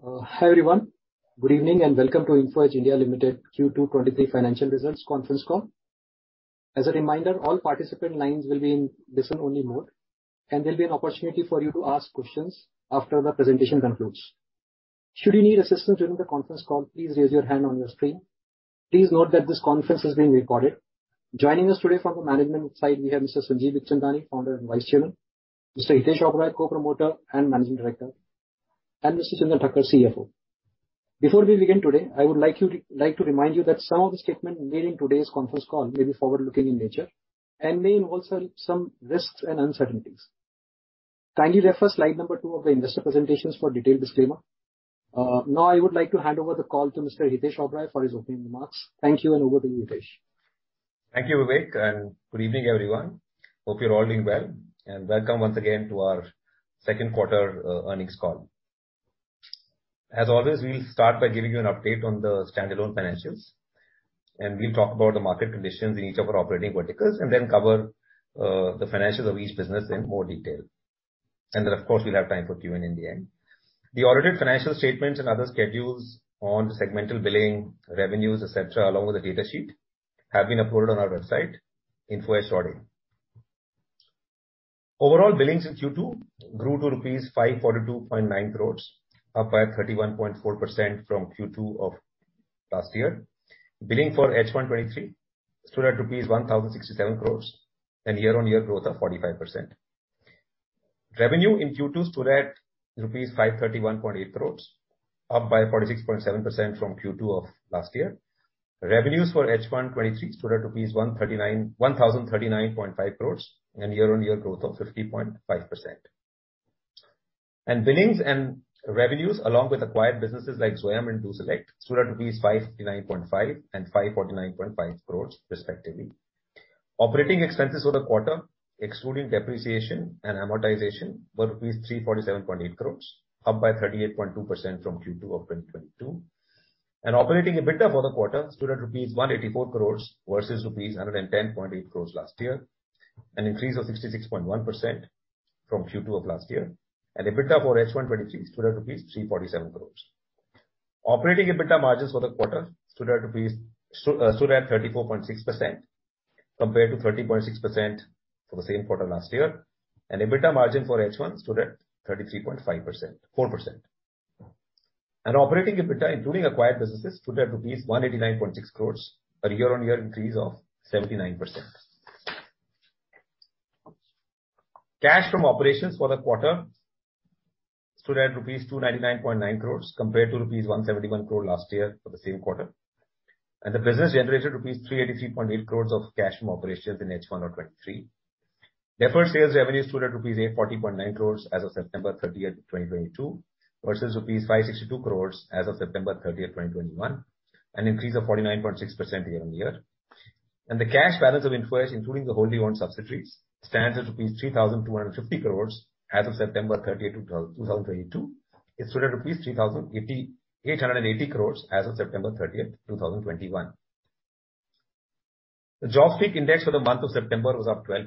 Hi, everyone. Good evening, and welcome to Info Edge (India) Limited Q2 2023 financial results conference call. As a reminder, all participant lines will be in listen-only mode, and there'll be an opportunity for you to ask questions after the presentation concludes. Should you need assistance during the conference call, please raise your hand on your screen. Please note that this conference is being recorded. Joining us today from the management side, we have Mr. Sanjeev Bikhchandani, Founder and Vice Chairman, Mr. Hitesh Oberoi, Co-promoter and Managing Director, and Mrs. Chintan Thakkar, CFO. Before we begin today, I would like to remind you that some of the statements made in today's conference call may be forward-looking in nature and may involve some risks and uncertainties. Kindly refer slide number two of the investor presentations for detailed disclaimer. Now I would like to hand over the call to Mr. Hitesh Oberoi for his opening remarks. Thank you, and over to you, Hitesh. Thank you, Vivek, and good evening, everyone. Hope you're all doing well, and welcome once again to our second quarter earnings call. As always, we'll start by giving you an update on the standalone financials, and we'll talk about the market conditions in each of our operating verticals and then cover the financials of each business in more detail. Of course, we'll have time for Q&A in the end. The audited financial statements and other schedules on the segmental billing, revenues, et cetera, along with the data sheet, have been uploaded on our website, infoedge.in. Overall billings in Q2 grew to rupees 542.9 crores, up by 31.4% from Q2 of last year. Billing for H1 2023 stood at rupees 1,067 crores and year-on-year growth of 45%. Revenue in Q2 stood at rupees 531.8 crores, up by 46.7% from Q2 of last year. Revenues for H1 2023 stood at 1,039.5 crores and year-on-year growth of 50.5%. Billings and revenues, along with acquired businesses like Zwayam and DoSelect, stood at 559.5 and 549.5 crores respectively. Operating expenses for the quarter, excluding depreciation and amortization, were rupees 347.8 crores, up by 38.2% from Q2 of 2022. Operating EBITDA for the quarter stood at rupees 184 crores versus rupees 110.8 crores last year, an increase of 66.1% from Q2 of last year. EBITDA for H1 2023 stood at rupees 347 crores. Operating EBITDA margins for the quarter stood at 34.6% compared to 30.6% for the same quarter last year. EBITDA margin for H1 stood at 33.5% to 4%. Operating EBITDA, including acquired businesses, stood at rupees 189.6 crores, a year-on-year increase of 79%. Cash from operations for the quarter stood at rupees 299.9 crores compared to rupees 171 crore last year for the same quarter. The business generated rupees 383.8 crores of cash from operations in H1 of 2023. Deferred sales revenue stood at rupees 840.9 crores as of September 30, 2022 versus rupees 562 crores as of September 30, 2021, an increase of 49.6% year-on-year. The cash balance of Info Edge, including the wholly owned subsidiaries, stands at INR 3,250 crores as of September 30, 2022. It stood at INR 3,800 crores as of September 30, 2021. The JobSpeak index for the month of September was up 12%.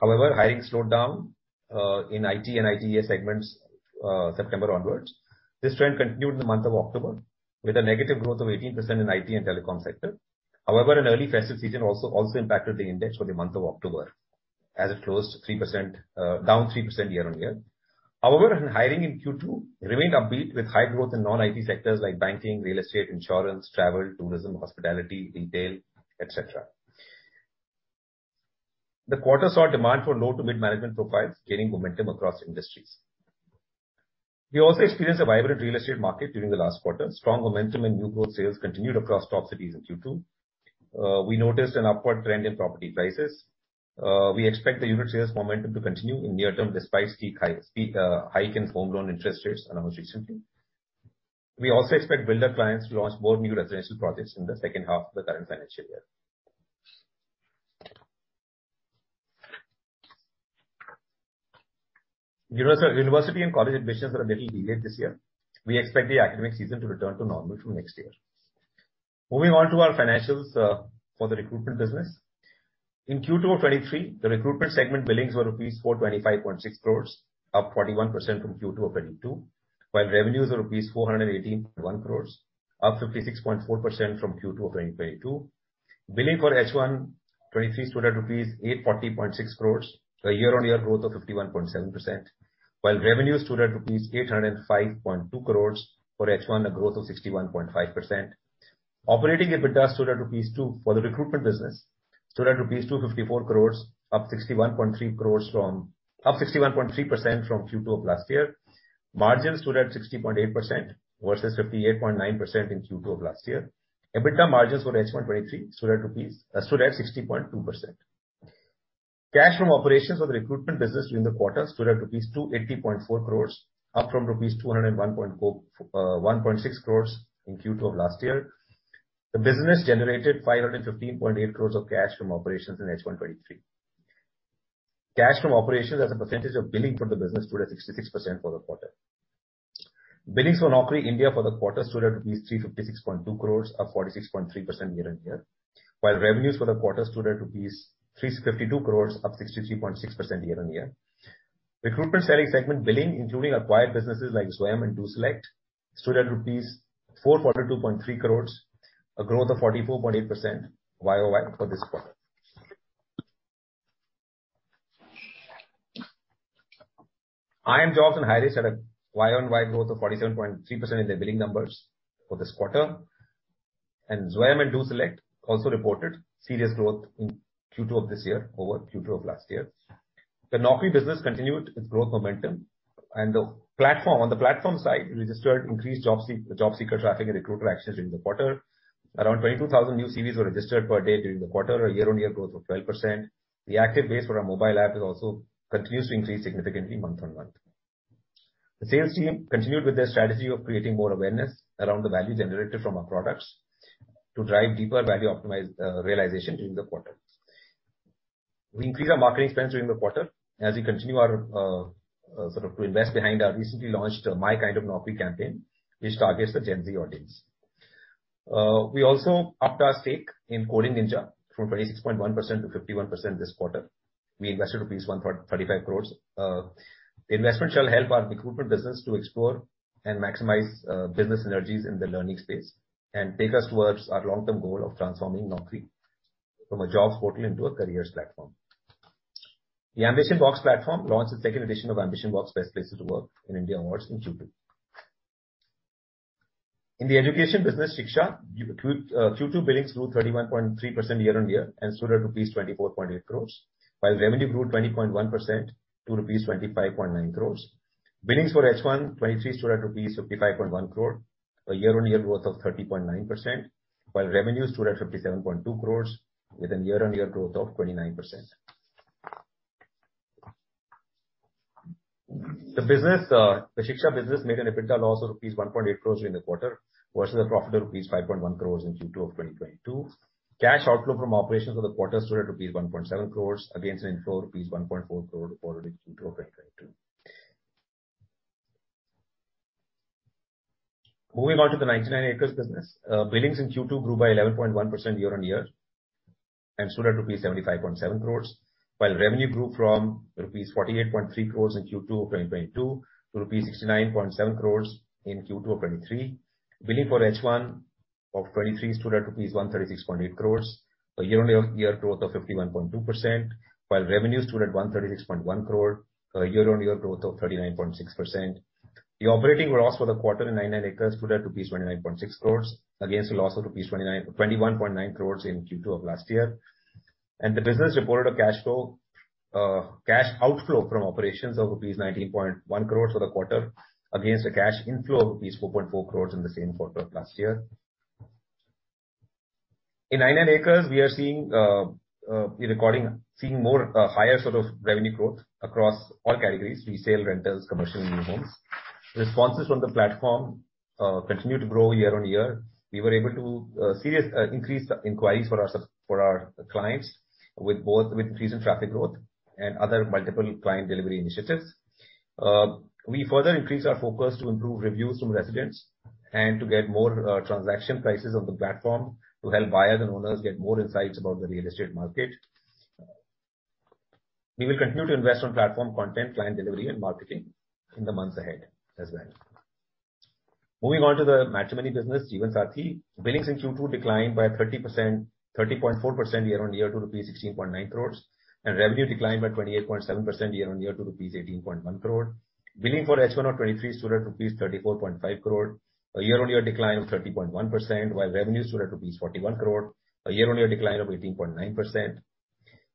However, hiring slowed down in IT and ITES segments September onwards. This trend continued in the month of October with a negative growth of 18% in IT and telecom sector. However, an early festive season also impacted the index for the month of October as it closed 3% down year-on-year. However, hiring in Q2 remained upbeat with high growth in non-IT sectors like banking, real estate, insurance, travel, tourism, hospitality, retail, etc. The quarter saw demand for low to mid-management profiles gaining momentum across industries. We also experienced a vibrant real estate market during the last quarter. Strong momentum and new growth sales continued across top cities in Q2. We noticed an upward trend in property prices. We expect the unit sales momentum to continue in near term despite steep hike in home loan interest rates announced recently. We also expect builder clients to launch more new residential projects in the second half of the current financial year. University and college admissions are a little delayed this year. We expect the academic season to return to normal from next year. Moving on to our financials for the recruitment business. In Q2 of 2023, the recruitment segment billings were rupees 425.6 crores, up 41% from Q2 of 2022, while revenues were rupees 418.1 crores, up 56.4% from Q2 of 2022. Billings for H1 2023 stood at rupees 840.6 crores, a year-on-year growth of 51.7%, while revenues stood at rupees 805.2 crores for H1, a growth of 61.5%. Operating EBITDA stood at rupees 254 crores for the recruitment business, up 61.3% from Q2 of last year. Margins stood at 60.8% versus 58.9% in Q2 of last year. EBITDA margins for H1 2023 stood at 60.2%. Cash from operations for the recruitment business during the quarter stood at rupees 280.4 crores, up from rupees 1.6 crores in Q2 of last year. The business generated 515.8 crores of cash from operations in H1 2023. Cash from operations as a percentage of billing for the business stood at 66% for the quarter. Billings for Naukri India for the quarter stood at rupees 356.2 crores, up 46.3% year-on-year, while revenues for the quarter stood at rupees 352 crores, up 63.6% year-on-year. Recruitment selling segment billing, including acquired businesses like Zomato and DoSelect, stood at rupees 402.3 crores, a growth of 44.8% YOY for this quarter. iimjobs and Hirist had a YOY growth of 47.3% in their billing numbers for this quarter, and Zomato and DoSelect also reported similar growth in Q2 of this year over Q2 of last year. The Naukri business continued its growth momentum and the platform, on the platform side, registered increased jobseeker traffic and recruiter access during the quarter. Around 22,000 new CVs were registered per day during the quarter, a year-on-year growth of 12%. The active base for our mobile app is also continues to increase significantly month-on-month. The sales team continued with their strategy of creating more awareness around the value generated from our products to drive deeper value optimized realization during the quarter. We increased our marketing spend during the quarter as we continue our sort of to invest behind our recently launched My Kind of Naukri campaign, which targets the Gen Z audience. We also upped our stake in Coding Ninjas from 26.1% to 51% this quarter. We invested rupees 135 crores. The investment shall help our recruitment business to explore and maximize business synergies in the learning space and take us towards our long-term goal of transforming Naukri from a jobs portal into a careers platform. The AmbitionBox platform launched the second edition of AmbitionBox Best Places to Work in India awards in Q2. In the education business, Shiksha Q2 billings grew 31.3% year-on-year and stood at rupees 24.8 crore, while revenue grew 20.1% to rupees 25.9 crore. Billings for H1 2023 stood at rupees 55.1 crore, a year-on-year growth of 30.9%, while revenue stood at 57.2 crore with a year-on-year growth of 29%. The business, the Shiksha business made an EBITDA loss of rupees 1.8 crores during the quarter versus a profit of rupees 5.1 crores in Q2 of 2022. Cash outflow from operations for the quarter stood at rupees 1.7 crores against an inflow of rupees 1.4 crore reported in Q2 of 2022. Moving on to the 99acres business. Billings in Q2 grew by 11.1% year-on-year and stood at rupees 75.7 crores, while revenue grew from rupees 48.3 crores in Q2 of 2022 to rupees 69.7 crores in Q2 of 2023. Billings for H1 of 2023 stood at rupees 136.8 crores, a year-on-year growth of 51.2%, while revenue stood at 136.1 crore, a year-on-year growth of 39.6%. The operating loss for the quarter in 99acres stood at rupees 29.6 crore against a loss of rupees 21.9 crore in Q2 of last year. The business reported a cash outflow from operations of rupees 19.1 crore for the quarter against a cash inflow of rupees 4.4 crore in the same quarter of last year. In 99acres, we are seeing more higher sort of revenue growth across all categories, resale, rentals, commercial, new homes. Responses from the platform continued to grow year-on-year. We were able to significantly increase inquiries for our clients with both increase in traffic growth and other multiple client delivery initiatives. We further increased our focus to improve reviews from residents and to get more transaction prices on the platform to help buyers and owners get more insights about the real estate market. We will continue to invest on platform content, client delivery and marketing in the months ahead as well. Moving on to the Matrimony business, Jeevansathi. Billings in Q2 declined by 30%, 30.4% year-on-year to rupees 16.9 crore, and revenue declined by 28.7% year-on-year to rupees 18.1 crore. Billing for H1 of 2023 stood at rupees 34.5 crore, a year-on-year decline of 30.1%, while revenue stood at rupees 41 crore, a year-on-year decline of 18.9%.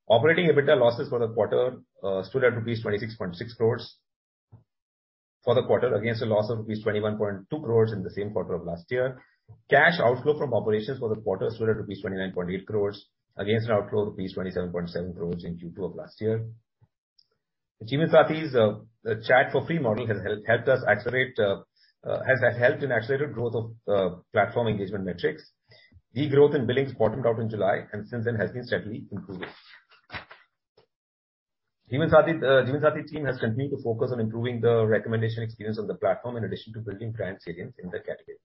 Operating EBITDA losses for the quarter stood at rupees 26.6 crores for the quarter against a loss of rupees 21.2 crores in the same quarter of last year. Cash outflow from operations for the quarter stood at rupees 29.8 crores against an outflow of rupees 27.7 crores in Q2 of last year. Jeevansathi's chat for free model has helped us accelerate has helped in accelerated growth of platform engagement metrics. Degrowth in billings bottomed out in July and since then has been steadily improving. Jeevansathi team has continued to focus on improving the recommendation experience on the platform in addition to building brand salience in the category.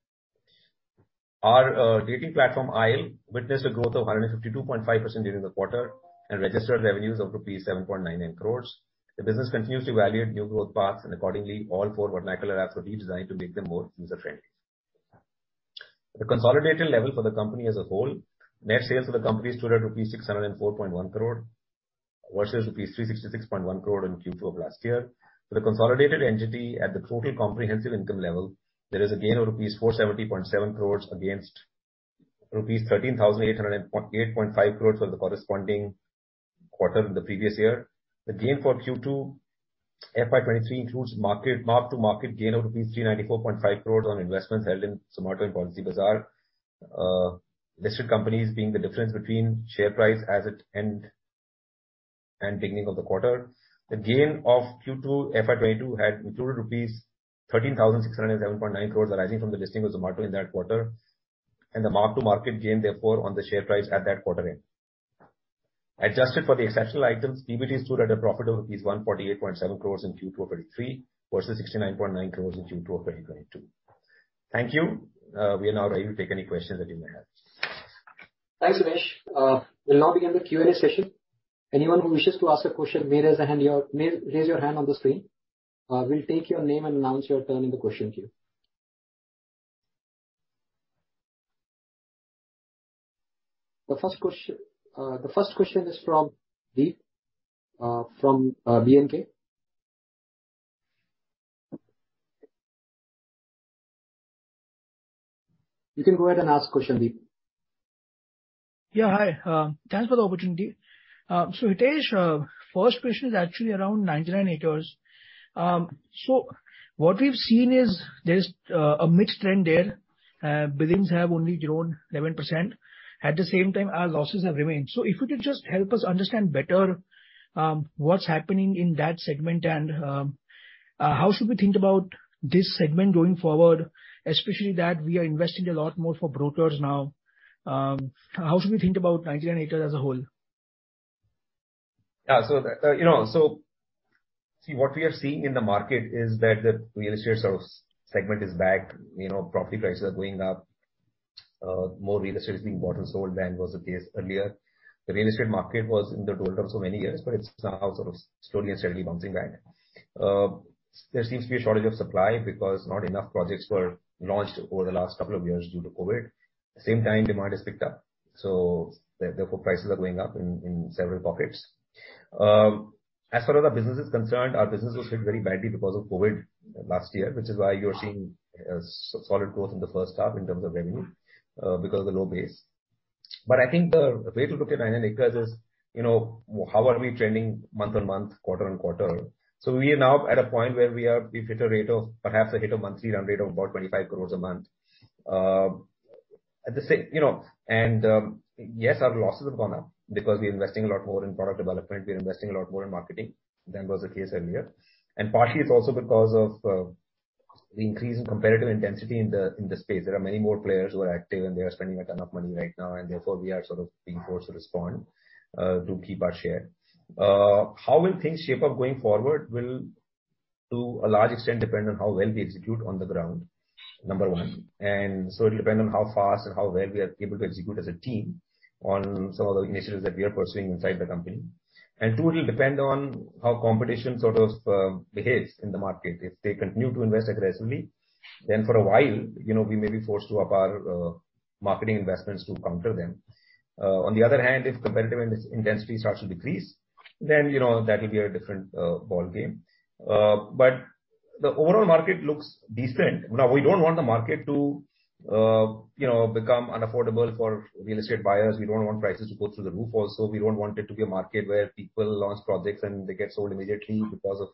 Our dating platform, Aisle, witnessed a growth of 152.5% during the quarter and registered revenues of rupees 7.9 crores. The business continues to evaluate new growth paths and accordingly, all four vernacular apps were redesigned to make them more user-friendly. At a consolidated level for the company as a whole, net sales for the company stood at rupees 604.1 crore versus rupees 366.1 crore in Q2 of last year. For the consolidated entity at the total comprehensive income level, there is a gain of rupees 470.7 crores against rupees 13,808.5 crores for the corresponding quarter in the previous year. The gain for Q2 FY23 includes mark-to-market gain of rupees 394.5 crores on investments held in Zomato and Policybazaar, listed companies being the difference between share price as at end and beginning of the quarter. The gain of Q2 FY22 had included rupees 13,607.9 crore arising from the listing of Zomato in that quarter, and the mark-to-market gain therefore on the share price at that quarter end. Adjusted for the exceptional items, PBT stood at a profit of rupees 148.7 crore in Q2 of 2023 versus 69.9 crore in Q2 of 2022. Thank you. We are now ready to take any questions that you may have. Thanks, Hitesh. We'll now begin the Q&A session. Anyone who wishes to ask a question, raise your hand on the screen. We'll take your name and announce your turn in the question queue. The first question is from Deep from BNK. You can go ahead and ask question, Deep. Yeah, hi. Thanks for the opportunity. Hitesh, first question is actually around 99acres.com. What we've seen is there's a mixed trend there. Billings have only grown 11%. At the same time, our losses have remained. If you could just help us understand better, what's happening in that segment and how should we think about this segment going forward, especially that we are investing a lot more for brokers now. How should we think about 99acres.com as a whole? Yeah. You know, see, what we are seeing in the market is that the real estate service segment is back. You know, property prices are going up. More real estate is being bought and sold than was the case earlier. The real estate market was in the doldrums for many years, but it's now sort of slowly and steadily bouncing back. There seems to be a shortage of supply because not enough projects were launched over the last couple of years due to COVID. At the same time demand has picked up, so therefore prices are going up in several pockets. As far as our business is concerned, our business was hit very badly because of COVID last year, which is why you're seeing a solid growth in the first half in terms of revenue, because of the low base. I think the way to look at 99acres.com is, you know, how are we trending month-on-month, quarter-on-quarter. We are now at a point where we've hit a rate of perhaps a hit of monthly run rate of about 25 crore a month. At the same, you know, yes, our losses have gone up because we're investing a lot more in product development, we're investing a lot more in marketing than was the case earlier. Partially it's also because of the increase in competitive intensity in the space. There are many more players who are active and they are spending a ton of money right now and therefore we are sort of being forced to respond to keep our share. How will things shape up going forward will to a large extent depend on how well we execute on the ground, number one. It'll depend on how fast and how well we are able to execute as a team on some of the initiatives that we are pursuing inside the company. Two, it'll depend on how competition sort of behaves in the market. If they continue to invest aggressively, then for a while, you know, we may be forced to up our marketing investments to counter them. On the other hand, if competitive intensity starts to decrease, then you know that will be a different ballgame. The overall market looks decent. Now, we don't want the market to, you know, become unaffordable for real estate buyers. We don't want prices to go through the roof also. We don't want it to be a market where people launch projects and they get sold immediately because of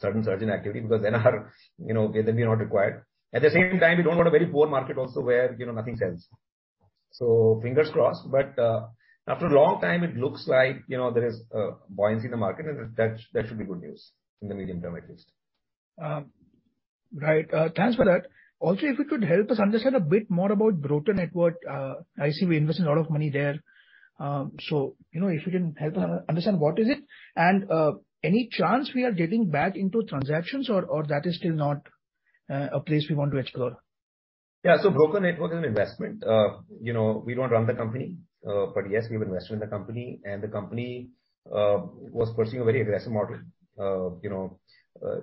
certain surge in activity, because then or you know, then we're not required. At the same time, we don't want a very poor market also where, you know, nothing sells. Fingers crossed, but after a long time it looks like, you know, there is a buoyancy in the market and that should be good news in the medium term at least. Right. Thanks for that. Also, if you could help us understand a bit more about Broker Network. I see we invested a lot of money there. You know, if you can help us understand what is it and any chance we are getting back into transactions or that is still not a place we want to explore? Yeah. Broker Network is an investment. You know, we don't run the company. But yes, we have invested in the company, and the company was pursuing a very aggressive model, you know,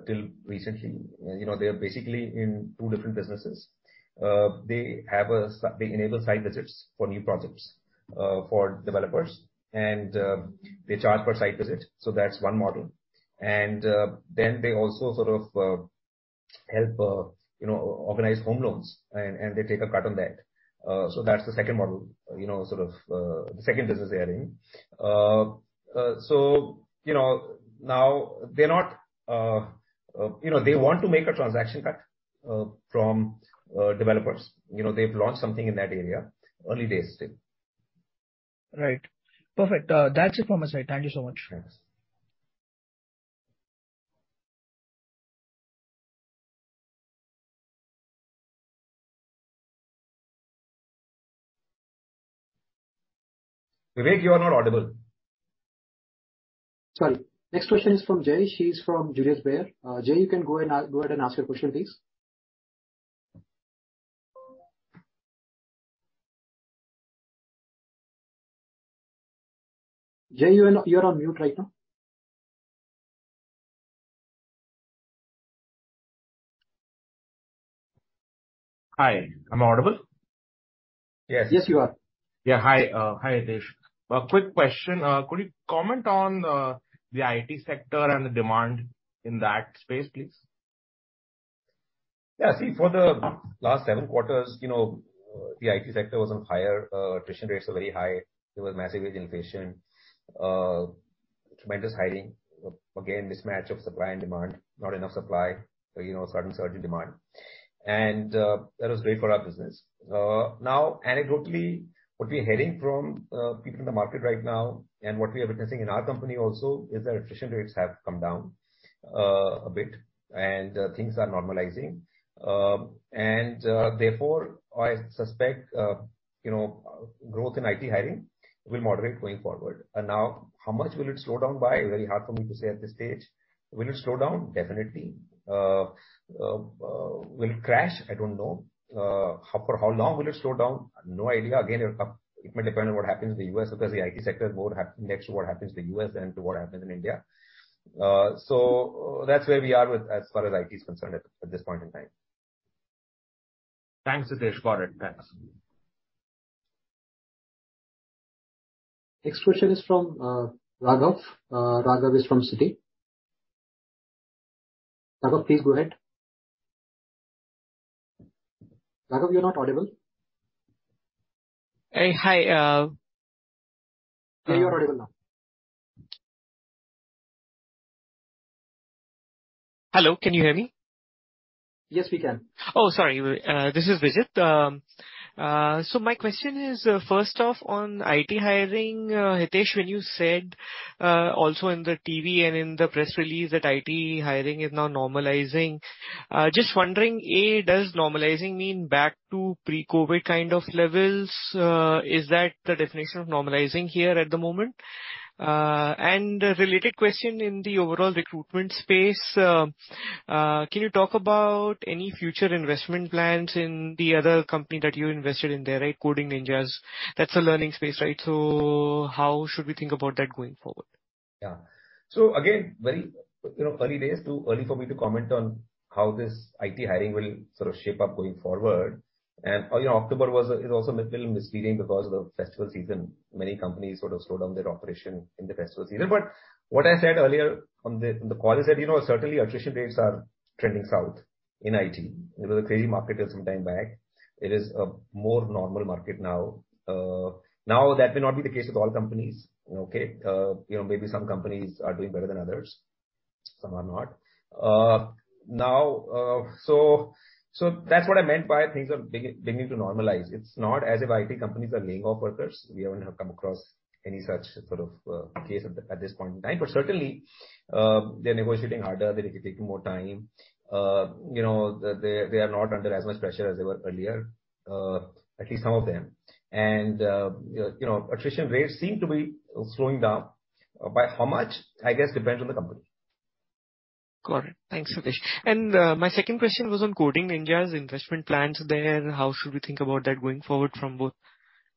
till recently. You know they are basically in two different businesses. They enable site visits for new projects for developers, and they charge per site visit. That's one model. Then they also sort of help, you know, organize home loans and they take a cut on that. That's the second model. You know, sort of, the second business they are in. You know now they're not, you know, they want to make a transaction cut from developers. You know, they've launched something in that area, early days still. Right. Perfect. That's it from my side. Thank you so much. Thanks. Vivek, you are not audible. Sorry. Next question is from Jay. She's from Julius Baer. Jay, you can go and go ahead and ask your question, please. Jay, you're on mute right now. Hi. Am I audible? Yes. Yes, you are. Yeah. Hi, Hitesh. A quick question. Could you comment on the IT sector and the demand in that space, please? Yeah. See, for the last 7 quarters, you know, the IT sector was on fire. Attrition rates were very high. There was massive wage inflation, tremendous hiring. Again, mismatch of supply and demand, not enough supply, but you know, certain surge in demand. That was great for our business. Now anecdotally, what we're hearing from people in the market right now and what we are witnessing in our company also is that attrition rates have come down a bit and things are normalizing. Therefore I suspect, you know, growth in IT hiring will moderate going forward. Now how much will it slow down by? Very hard for me to say at this stage. Will it slow down? Definitely. Will it crash? I don't know. For how long will it slow down? No idea. Again, it'll come. It might depend on what happens in the U.S. because the IT sector is more sensitive to what happens in the U.S. than to what happens in India. That's where we are as far as IT is concerned at this point in time. Thanks, Hitesh. Got it. Thanks. Next question is from Raghav. Raghav is from Citi. Raghav, please go ahead. Raghav, you're not audible. Hi. Now you're audible now. Hello, can you hear me? Yes, we can. Oh, sorry. This is Vijit. So my question is, first off on IT hiring, Hitesh, when you said, also in the TV and in the press release that IT hiring is now normalizing, just wondering, A, does normalizing mean back to pre-COVID kind of levels? Is that the definition of normalizing here at the moment? A related question in the overall recruitment space, can you talk about any future investment plans in the other company that you invested in there, right? Coding Ninjas. That's a learning space, right? So how should we think about that going forward? Yeah. Again, very, you know, early days, too early for me to comment on how this IT hiring will sort of shape up going forward. You know, October is also a little misleading because of the festival season. Many companies sort of slowed down their operation in the festival season. What I said earlier on the call is that, you know, certainly attrition rates are trending south in IT. It was a crazy market till some time back. It is a more normal market now. Now that may not be the case with all companies, okay. You know, maybe some companies are doing better than others, some are not. So that's what I meant by things are beginning to normalize. It's not as if IT companies are laying off workers. We haven't come across any such sort of case at this point in time. Certainly, they're negotiating harder. They're taking more time. You know, they are not under as much pressure as they were earlier, at least some of them. You know, attrition rates seem to be slowing down. By how much, I guess, depends on the company. Got it. Thanks, Hitesh. My second question was on Coding Ninjas investment plans there. How should we think about that going forward from both-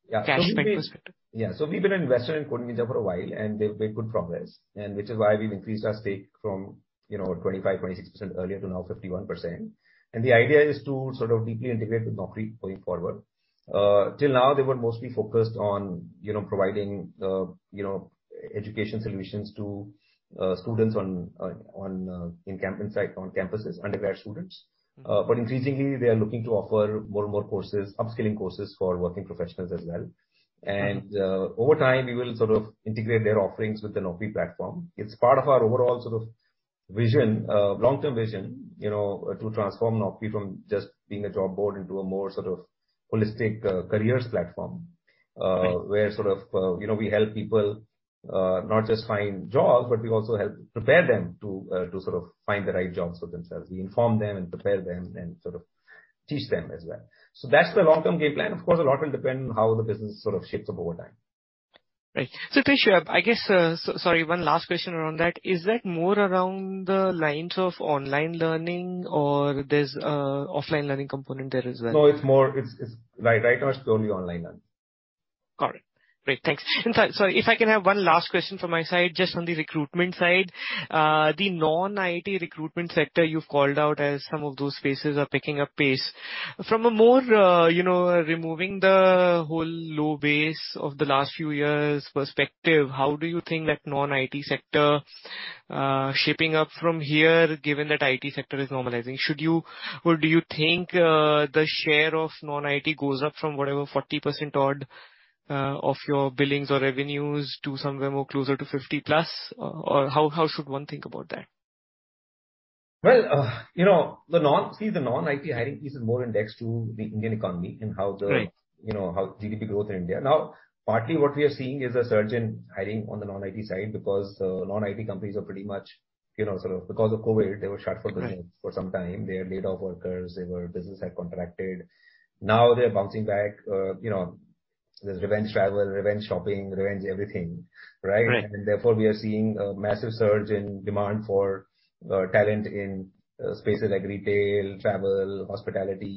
Yeah. Cash perspective? Yeah. We've been an investor in Coding Ninjas for a while, and they've made good progress, and which is why we've increased our stake from, you know, 25-26% earlier to now 51%. The idea is to sort of deeply integrate with Naukri going forward. Till now, they were mostly focused on, you know, providing education solutions to students on campuses, undergrad students. Increasingly they are looking to offer more and more courses, upskilling courses for working professionals as well. Over time, we will sort of integrate their offerings with the Naukri platform. It's part of our overall sort of vision, long-term vision, you know, to transform Naukri from just being a job board into a more sort of holistic careers platform. Right. Where sort of, you know, we help people, not just find jobs, but we also help prepare them to sort of find the right jobs for themselves. We inform them and prepare them and sort of teach them as well. That's the long-term game plan. Of course, a lot will depend on how the business sort of shapes up over time. Right. Hitesh, I guess, sorry, one last question around that. Is that more around the lines of online learning or there's offline learning component there as well? No, it's more. Right now it's only online learning. Got it. Great. Thanks. Sorry, if I can have one last question from my side just on the recruitment side. The non-IT recruitment sector you've called out as some of those spaces are picking up pace. From a more, you know, removing the whole low base of the last few years perspective, how do you think that non-IT sector, shaping up from here, given that IT sector is normalizing? Should you or do you think, the share of non-IT goes up from whatever 40% odd, of your billings or revenues to somewhere more closer to 50+, or how should one think about that? Well, you know, the non-IT hiring is more indexed to the Indian economy and how the Right. You know how GDP growth in India. Now, partly what we are seeing is a surge in hiring on the non-IT side because non-IT companies are pretty much, you know, sort of because of COVID, they were shut for business. Right. For some time. They had laid off workers. Business had contracted. Now they're bouncing back. You know, there's revenge travel, revenge shopping, revenge everything, right? Right. Therefore, we are seeing a massive surge in demand for talent in spaces like retail, travel, hospitality,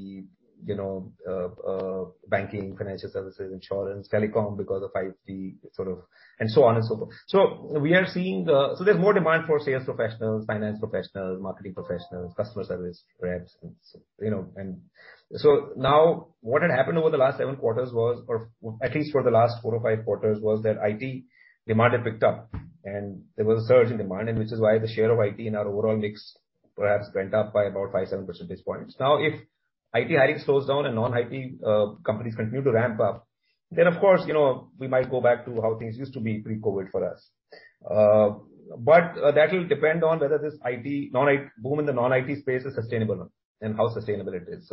you know, banking, financial services, insurance, telecom because of 5G sort of, and so on and so forth. We are seeing. There's more demand for sales professionals, finance professionals, marketing professionals, customer service reps, you know, and. Now what had happened over the last 7 quarters was at least for the last four or five quarters, was that IT demand had picked up and there was a surge in demand, and which is why the share of IT in our overall mix perhaps went up by about 5-7 percentage points. Now, if IT hiring slows down and non-IT companies continue to ramp up, then of course, you know, we might go back to how things used to be pre-COVID for us. That will depend on whether this IT, non-IT, boom in the non-IT space is sustainable and how sustainable it is.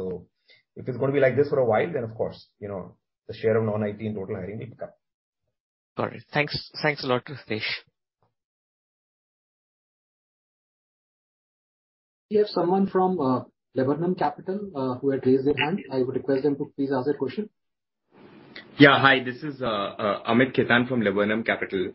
If it's gonna be like this for a while, then of course, you know, the share of non-IT in total hiring may pick up. Got it. Thanks. Thanks a lot, Hitesh. We have someone from, Laburnum Capital, who had raised their hand. I would request them to please ask their question. Yeah, hi, this is Amit Kirtan from Laburnum Capital.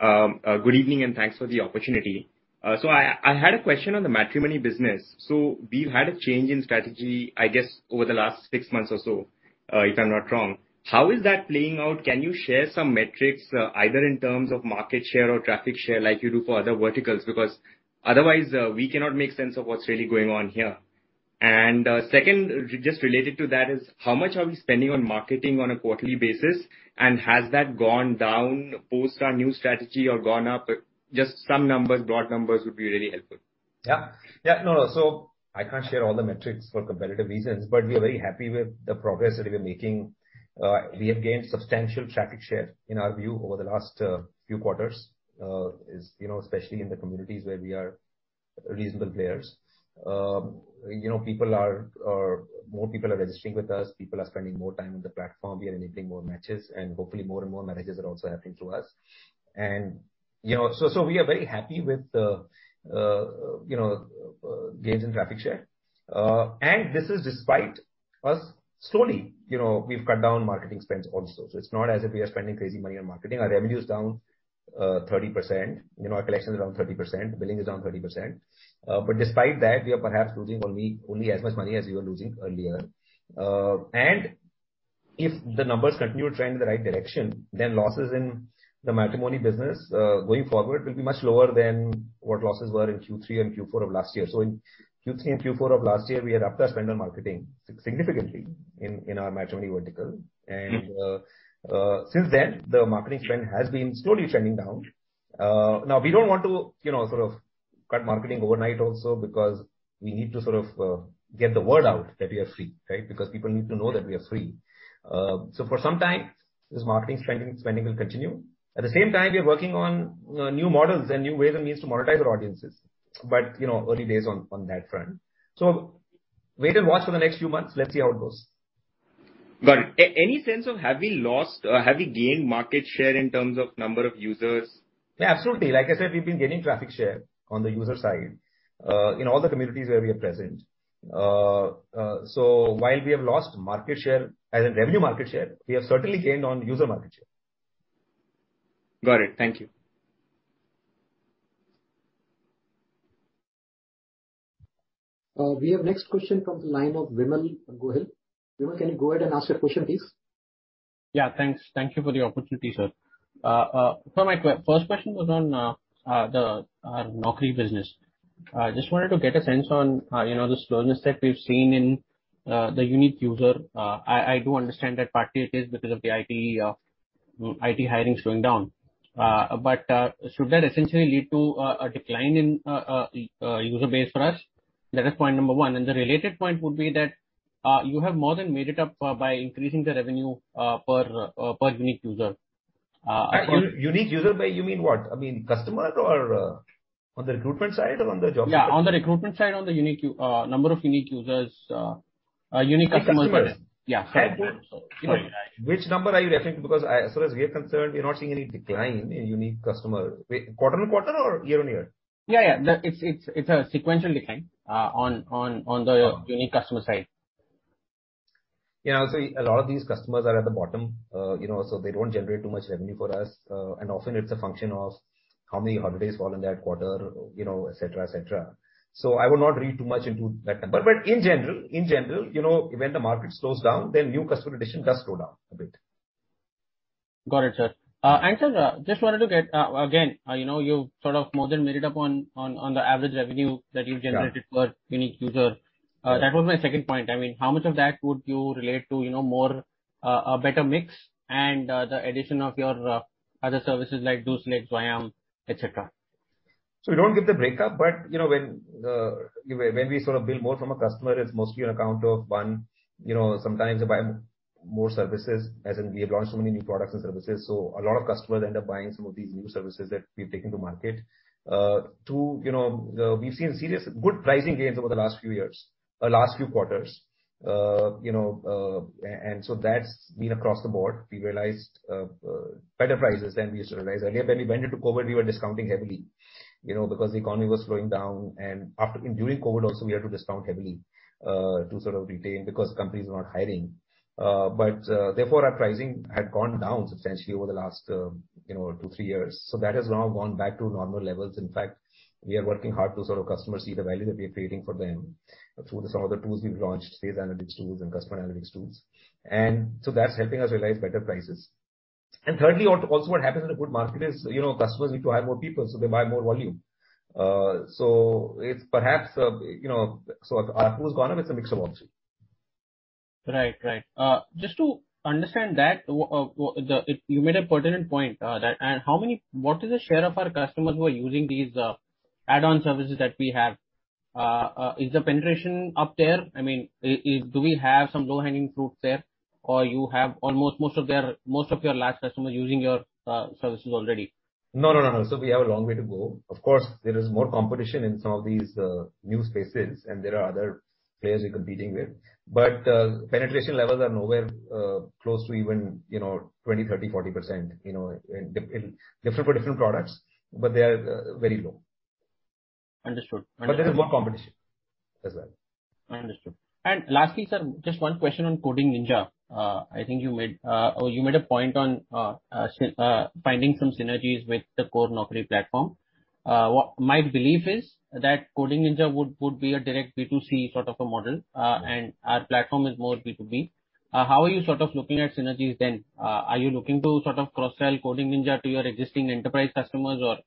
Good evening, and thanks for the opportunity. I had a question on the matrimony business. We've had a change in strategy, I guess, over the last six months or so, if I'm not wrong. How is that playing out? Can you share some metrics, either in terms of market share or traffic share like you do for other verticals? Because otherwise, we cannot make sense of what's really going on here. Second, related to that is, how much are we spending on marketing on a quarterly basis, and has that gone down post our new strategy or gone up? Just some numbers, broad numbers would be really helpful. Yeah, no. I can't share all the metrics for competitive reasons, but we are very happy with the progress that we're making. We have gained substantial traffic share, in our view, over the last few quarters, especially in the communities where we are reasonable players. You know, more people are registering with us, people are spending more time on the platform. We are getting more matches, and hopefully more and more marriages are also happening through us. You know, so we are very happy with the gains in traffic share. This is despite us slowly, you know, we've cut down marketing spends also. It's not as if we are spending crazy money on marketing. Our revenue is down 30%, you know, our collection is down 30%, billing is down 30%. Despite that, we are perhaps losing only as much money as we were losing earlier. If the numbers continue trending in the right direction, then losses in the matrimony business, going forward will be much lower than what losses were in Q3 and Q4 of last year. In Q3 and Q4 of last year, we had upped our spend on marketing significantly in our matrimony vertical. Since then, the marketing spend has been slowly trending down. Now we don't want to, you know, sort of cut marketing overnight also because we need to sort of, get the word out that we are free, right? Because people need to know that we are free. For some time, this marketing spending will continue. At the same time, we are working on, new models and new ways and means to monetize our audiences. You know, early days on that front. Wait and watch for the next few months. Let's see how it goes. Got it. Any sense of have we lost or have we gained market share in terms of number of users? Yeah, absolutely. Like I said, we've been gaining traffic share on the user side, in all the communities where we are present. While we have lost market share as a revenue market share, we have certainly gained on user market share. Got it. Thank you. We have next question from the line of Vimal Gohil. Vimal, can you go ahead and ask your question, please? Yeah, thanks. Thank you for the opportunity, sir. So my first question was on the Naukri business. I just wanted to get a sense on, you know, the slowness that we've seen in the unique user. I do understand that partly it is because of the IT hiring slowing down. But should that essentially lead to a decline in user base for us? That is point number one. The related point would be that you have more than made it up by increasing the revenue per unique user. By unique user, what do you mean? I mean, customer or on the recruitment side or on the job seeker? Yeah, on the recruitment side, on the number of unique users, unique customers. Unique customers. Yeah. Which number are you referring to? Because as far as we're concerned, we're not seeing any decline in unique customers. Wait, quarter-over-quarter or year-over-year? Yeah. It's a sequential decline on the. Uh-huh. unique customer side. Yeah. See, a lot of these customers are at the bottom, you know, so they don't generate too much revenue for us. Often it's a function of how many holidays fall in that quarter, you know, et cetera. I would not read too much into that number. In general, you know, when the market slows down, then new customer addition does slow down a bit. Got it, sir. Sir, just wanted to get, again, you know, you sort of more than made it up on the average revenue that you've generated. Yeah. per unique user. Yeah. That was my second point. I mean, how much of that would you relate to, you know, more, a better mix and the addition of your other services like DoSelect, Zwayam, et cetera? We don't give the breakup, but, you know, when we sort of build more from a customer, it's mostly on account of, one, you know, sometimes they buy more services, as in we have launched so many new products and services, so a lot of customers end up buying some of these new services that we've taken to market. Two, you know, we've seen seriously good pricing gains over the last few years, last few quarters. You know, and so that's been across the board. We realized better prices than we used to realize earlier. When we went into COVID, we were discounting heavily, you know, because the economy was slowing down. After and during COVID also, we had to discount heavily to sort of retain because companies were not hiring. Therefore, our pricing had gone down substantially over the last two to three years. That has now gone back to normal levels. In fact, we are working hard so that customers see the value that we are creating for them through some of the tools we've launched, these analytics tools and customer analytics tools. That's helping us realize better prices. Thirdly, also what happens in a good market is, you know, customers need to hire more people, so they buy more volume. It's perhaps, you know, so ARPU has gone up. It's a mix of all three. Right. Just to understand that, you made a pertinent point. What is the share of our customers who are using these add-on services that we have? Is the penetration up there? I mean, do we have some low-hanging fruits there? Or you have almost all of your large customers using your services already? No. We have a long way to go. Of course, there is more competition in some of these new spaces, and there are other players we're competing with. Penetration levels are nowhere close to even, you know, 20, 30, 40%, you know, in different for different products, but they are very low. Understood. There is more competition as well. Understood. Lastly, sir, just one question on Coding Ninjas. I think you made a point on finding some synergies with the core Naukri platform. My belief is that Coding Ninjas would be a direct B2C sort of a model, and our platform is more B2B. How are you sort of looking at synergies then? Are you looking to sort of cross-sell Coding Ninjas to your existing enterprise customers, or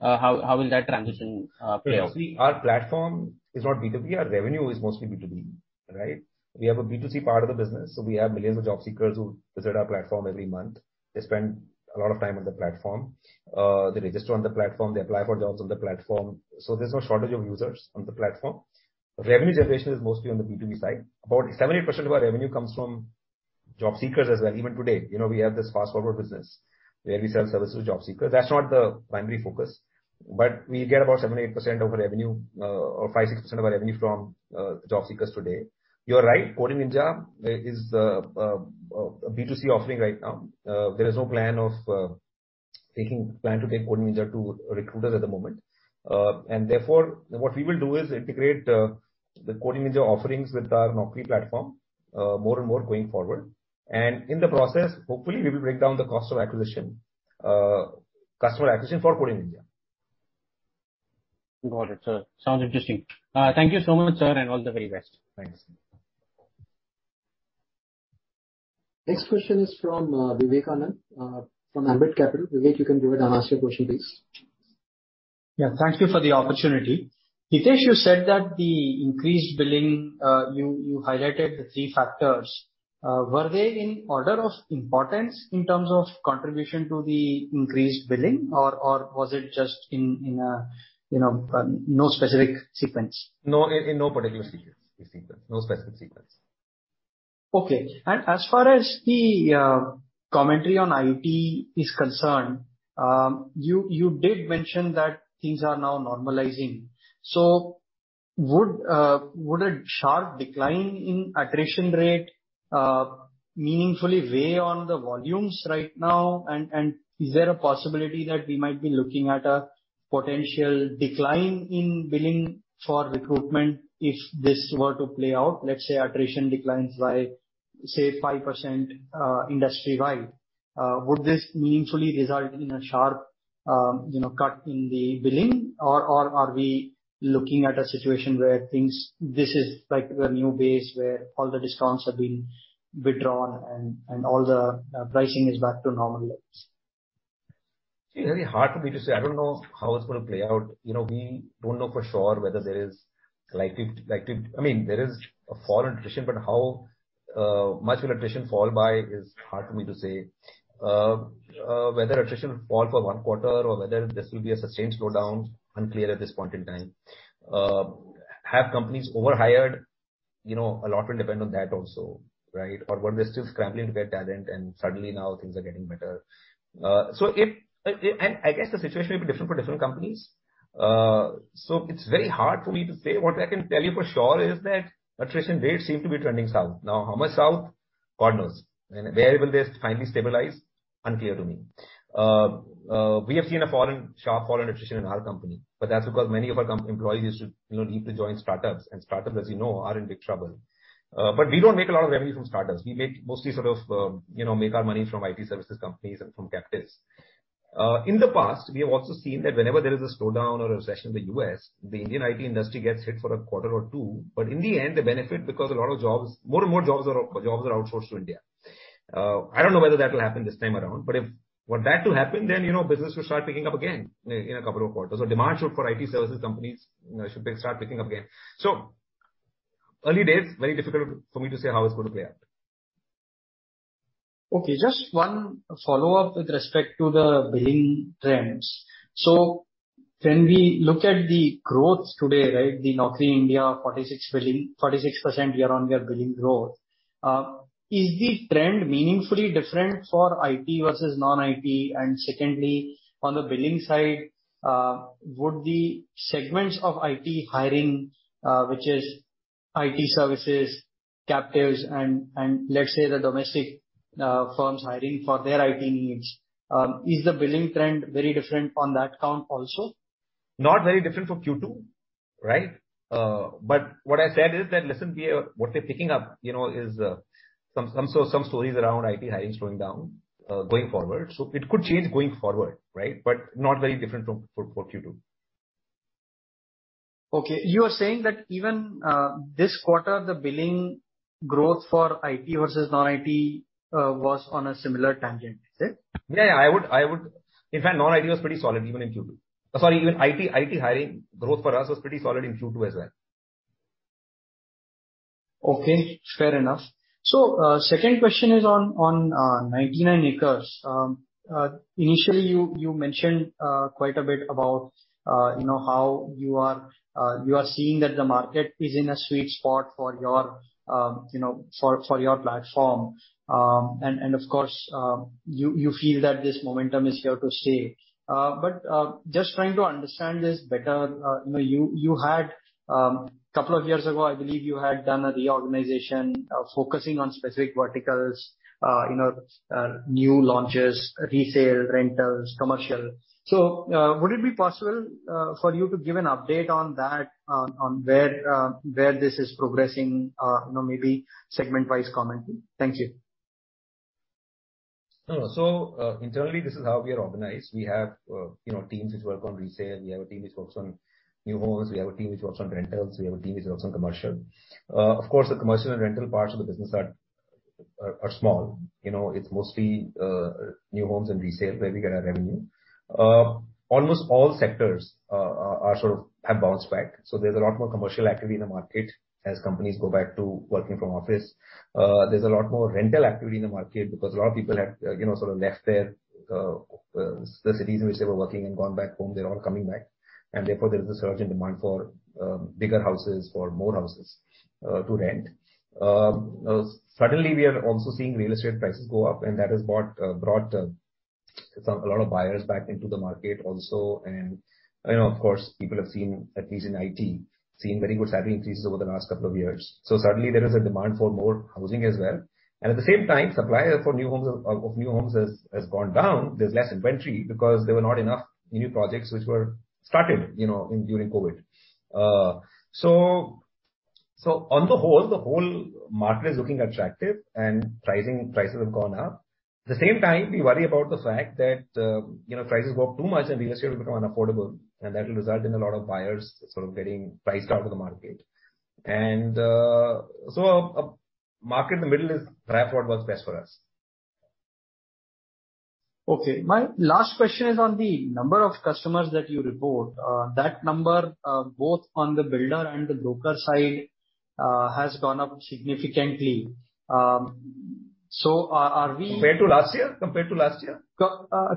how will that transition play out? You see, our platform is not B2B. Our revenue is mostly B2B, right? We have a B2C part of the business, so we have millions of job seekers who visit our platform every month. They spend a lot of time on the platform. They register on the platform. They apply for jobs on the platform. There's no shortage of users on the platform. Revenue generation is mostly on the B2B side. About 70% of our revenue comes from job seekers as well. Even today, you know, we have this Naukri FastForward business where we sell services to job seekers. That's not the primary focus. We get about 5%-6% of our revenue from job seekers today. You are right, Coding Ninjas is a B2C offering right now. There is no plan to take Coding Ninjas to recruiters at the moment. Therefore, what we will do is integrate the Coding Ninjas offerings with our Naukri platform more and more going forward. In the process, hopefully we will break down the cost of customer acquisition for Coding Ninjas. Got it, sir. Sounds interesting. Thank you so much, sir, and all the very best. Thanks. Next question is from Vivek Anand from Ambit Capital. Vivek, you can go ahead and ask your question, please. Yeah, thank you for the opportunity. Hitesh, you said that the increased billing, you highlighted the three factors. Were they in order of importance in terms of contribution to the increased billing or was it just in you know no specific sequence? No. In no particular sequence. No specific sequence. Okay. As far as the commentary on IT is concerned, you did mention that things are now normalizing. Would a sharp decline in attrition rate meaningfully weigh on the volumes right now? Is there a possibility that we might be looking at a potential decline in billing for recruitment if this were to play out? Let's say attrition declines by, say, 5%, industry-wide. Would this meaningfully result in a sharp, you know, cut in the billing? Or are we looking at a situation where things. This is like the new base where all the discounts have been withdrawn and all the pricing is back to normal levels? See, very hard for me to say. I don't know how it's gonna play out. You know, we don't know for sure whether there is likely. I mean, there is a fall in attrition, but how much will attrition fall by is hard for me to say. Whether attrition will fall for one quarter or whether this will be a sustained slowdown, unclear at this point in time. Have companies overhired? You know, a lot will depend on that also, right? Or were they still scrambling to get talent and suddenly now things are getting better. And I guess the situation will be different for different companies. It's very hard for me to say. What I can tell you for sure is that attrition rates seem to be trending south. Now, how much south? God knows. Where will this finally stabilize? Unclear to me. We have seen a sharp fall in attrition in our company, but that's because many of our employees used to, you know, leave to join startups. Startups, as you know, are in big trouble. But we don't make a lot of revenue from startups. We make mostly sort of, you know, make our money from IT services companies and from captives. In the past, we have also seen that whenever there is a slowdown or a recession in the U.S., the Indian IT industry gets hit for a quarter or two, but in the end they benefit because a lot of jobs are outsourced to India. I don't know whether that will happen this time around, but if for that to happen, then, you know, business will start picking up again in a couple of quarters. Demand should for IT services companies start picking up again. Early days, very difficult for me to say how it's going to play out. Okay, just one follow-up with respect to the billing trends. When we look at the growth today, right? The Naukri India 46 billing, 46% year-on-year billing growth. Is the trend meaningfully different for IT versus non-IT? Secondly, on the billing side, would the segments of IT hiring, which is IT services, captives and let's say the domestic firms hiring for their IT needs, is the billing trend very different on that count also? Not very different from Q2, right? What I said is that listen, what we're picking up, you know, is some stories around IT hiring slowing down, going forward. It could change going forward, right? Not very different from Q2. Okay. You are saying that even this quarter, the billing growth for IT versus non-IT was on a similar tangent, is it? In fact, non-IT was pretty solid even in Q2. Sorry, even IT hiring growth for us was pretty solid in Q2 as well. Okay, fair enough. Second question is on 99acres. Initially you mentioned quite a bit about, you know, how you are seeing that the market is in a sweet spot for your, you know, for your platform. And of course, you feel that this momentum is here to stay. Just trying to understand this better, you know, you had a couple of years ago, I believe you had done a reorganization, focusing on specific verticals, you know, new launches, resale, rentals, commercial. Would it be possible for you to give an update on that, on where this is progressing? You know, maybe segment-wise commenting. Thank you. Internally, this is how we are organized. We have, you know, teams which work on resale. We have a team which works on new homes. We have a team which works on rentals. We have a team which works on commercial. Of course, the commercial and rental parts of the business are small. You know, it's mostly new homes and resale where we get our revenue. Almost all sectors are sort of have bounced back, so there's a lot more commercial activity in the market as companies go back to working from office. There's a lot more rental activity in the market because a lot of people have, you know, sort of left their the cities in which they were working and gone back home. They're all coming back, and therefore there is a surge in demand for bigger houses, for more houses to rent. Suddenly we are also seeing real estate prices go up, and that has brought a lot of buyers back into the market also. You know, of course, people have seen, at least in IT, seen very good salary increases over the last couple of years. Suddenly there is a demand for more Housing.com as well. At the same time, supply of new homes has gone down. There's less inventory because there were not enough new projects which were started, you know, during COVID. On the whole, the whole market is looking attractive and prices have gone up. At the same time, we worry about the fact that, you know, prices go up too much and real estate will become unaffordable, and that will result in a lot of buyers sort of getting priced out of the market. A market in the middle is perhaps what works best for us. Okay. My last question is on the number of customers that you report. That number, both on the builder and the broker side, has gone up significantly. Are we- Compared to last year?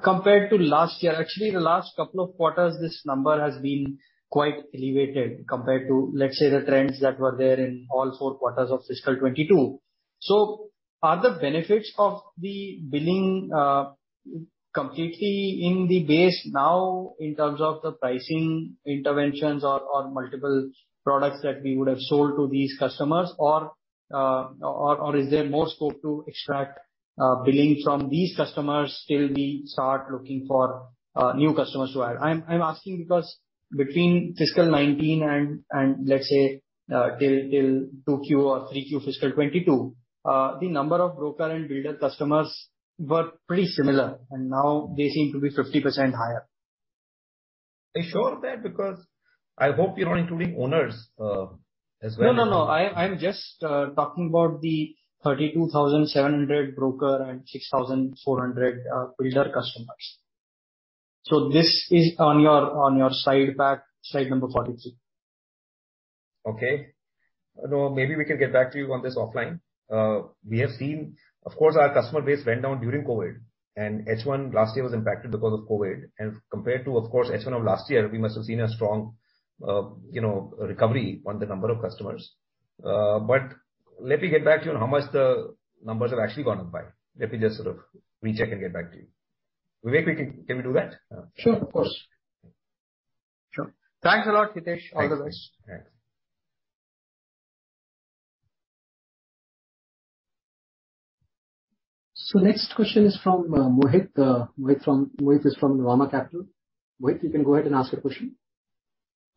Compared to last year. Actually, the last couple of quarters this number has been quite elevated compared to, let's say, the trends that were there in all four quarters of fiscal 2022. Are the benefits of the billing completely in the base now in terms of the pricing interventions or multiple products that we would have sold to these customers or is there more scope to extract billing from these customers till we start looking for new customers to add? I'm asking because between fiscal 2019 and, let's say, till 2Q or 3Q fiscal 2022, the number of broker and builder customers were pretty similar, and now they seem to be 50% higher. Are you sure of that? Because I hope you're not including owners, as well. No, no. I'm just talking about the 32,700 broker and 6,400 builder customers. This is on your slide pack, slide number 42. Okay. No, maybe we can get back to you on this offline. We have seen, of course, our customer base went down during COVID, and H1 last year was impacted because of COVID. Compared to, of course, H1 of last year, we must have seen a strong, you know, recovery on the number of customers. But let me get back to you on how much the numbers have actually gone up by. Let me just sort of recheck and get back to you. Vivek, can we do that? Sure. Of course. Sure. Thanks a lot, Hitesh. All the best. Thanks. Next question is from Mohit from Rama Capital. Mohit, you can go ahead and ask your question.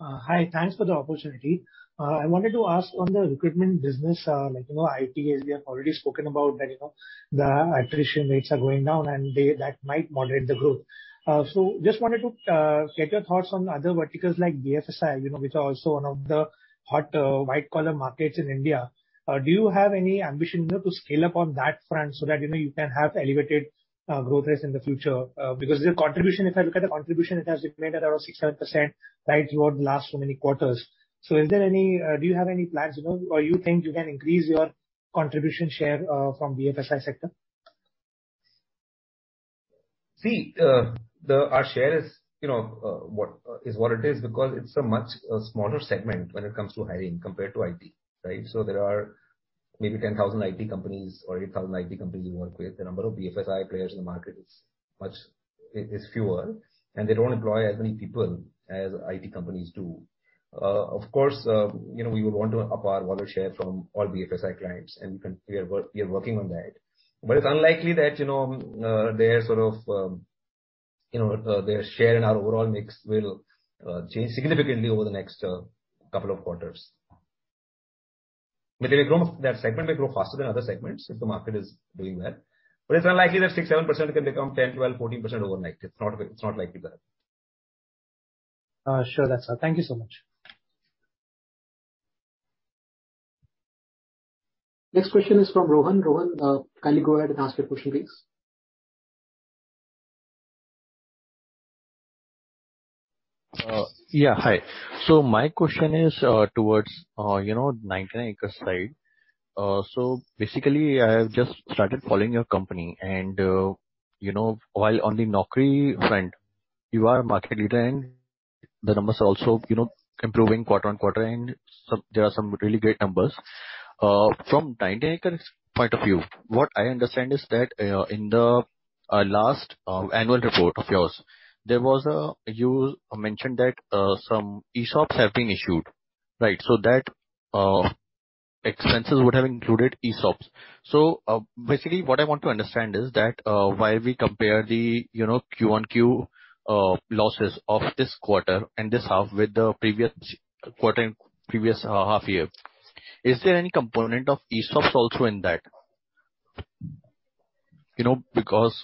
Hi. Thanks for the opportunity. I wanted to ask on the recruitment business, like, you know, IT as we have already spoken about that, you know, the attrition rates are going down, that might moderate the growth. Just wanted to get your thoughts on other verticals like BFSI, you know, which are also one of the hot white-collar markets in India. Do you have any ambition, you know, to scale up on that front so that, you know, you can have elevated growth rates in the future? Because their contribution, if I look at the contribution, it has remained at around 6-7% right throughout the last so many quarters. Is there any, do you have any plans, you know, or you think you can increase your contribution share from BFSI sector? See, our share is, you know, what is what it is because it's a much smaller segment when it comes to hiring compared to IT, right? There are maybe 10,000 IT companies or 8,000 IT companies you work with. The number of BFSI players in the market is much fewer, and they don't employ as many people as IT companies do. Of course, you know, we would want to up our market share from all BFSI clients, and we can, we are working on that. It's unlikely that, you know, their sort of, you know, their share in our overall mix will change significantly over the next couple of quarters. It'll grow, that segment may grow faster than other segments if the market is doing well. It's unlikely that 6%-7% can become 10%, 12%, 14% overnight. It's not likely there. Sure. That's all. Thank you so much. Next question is from Rohan. Rohan, kindly go ahead and ask your question, please. Yeah. Hi. My question is towards, you know, 99acres side. Basically, I have just started following your company and, you know, while on the Naukri front, you are market leader and the numbers are also, you know, improving quarter-on-quarter and there are some really great numbers. From 99acres point of view, what I understand is that in the last annual report of yours, there was a, you mentioned that some ESOPs have been issued, right? So that expenses would have included ESOPs. Basically what I want to understand is that why we compare the, you know, Q on Q losses of this quarter and this half with the previous quarter and previous half year. Is there any component of ESOPs also in that? You know, because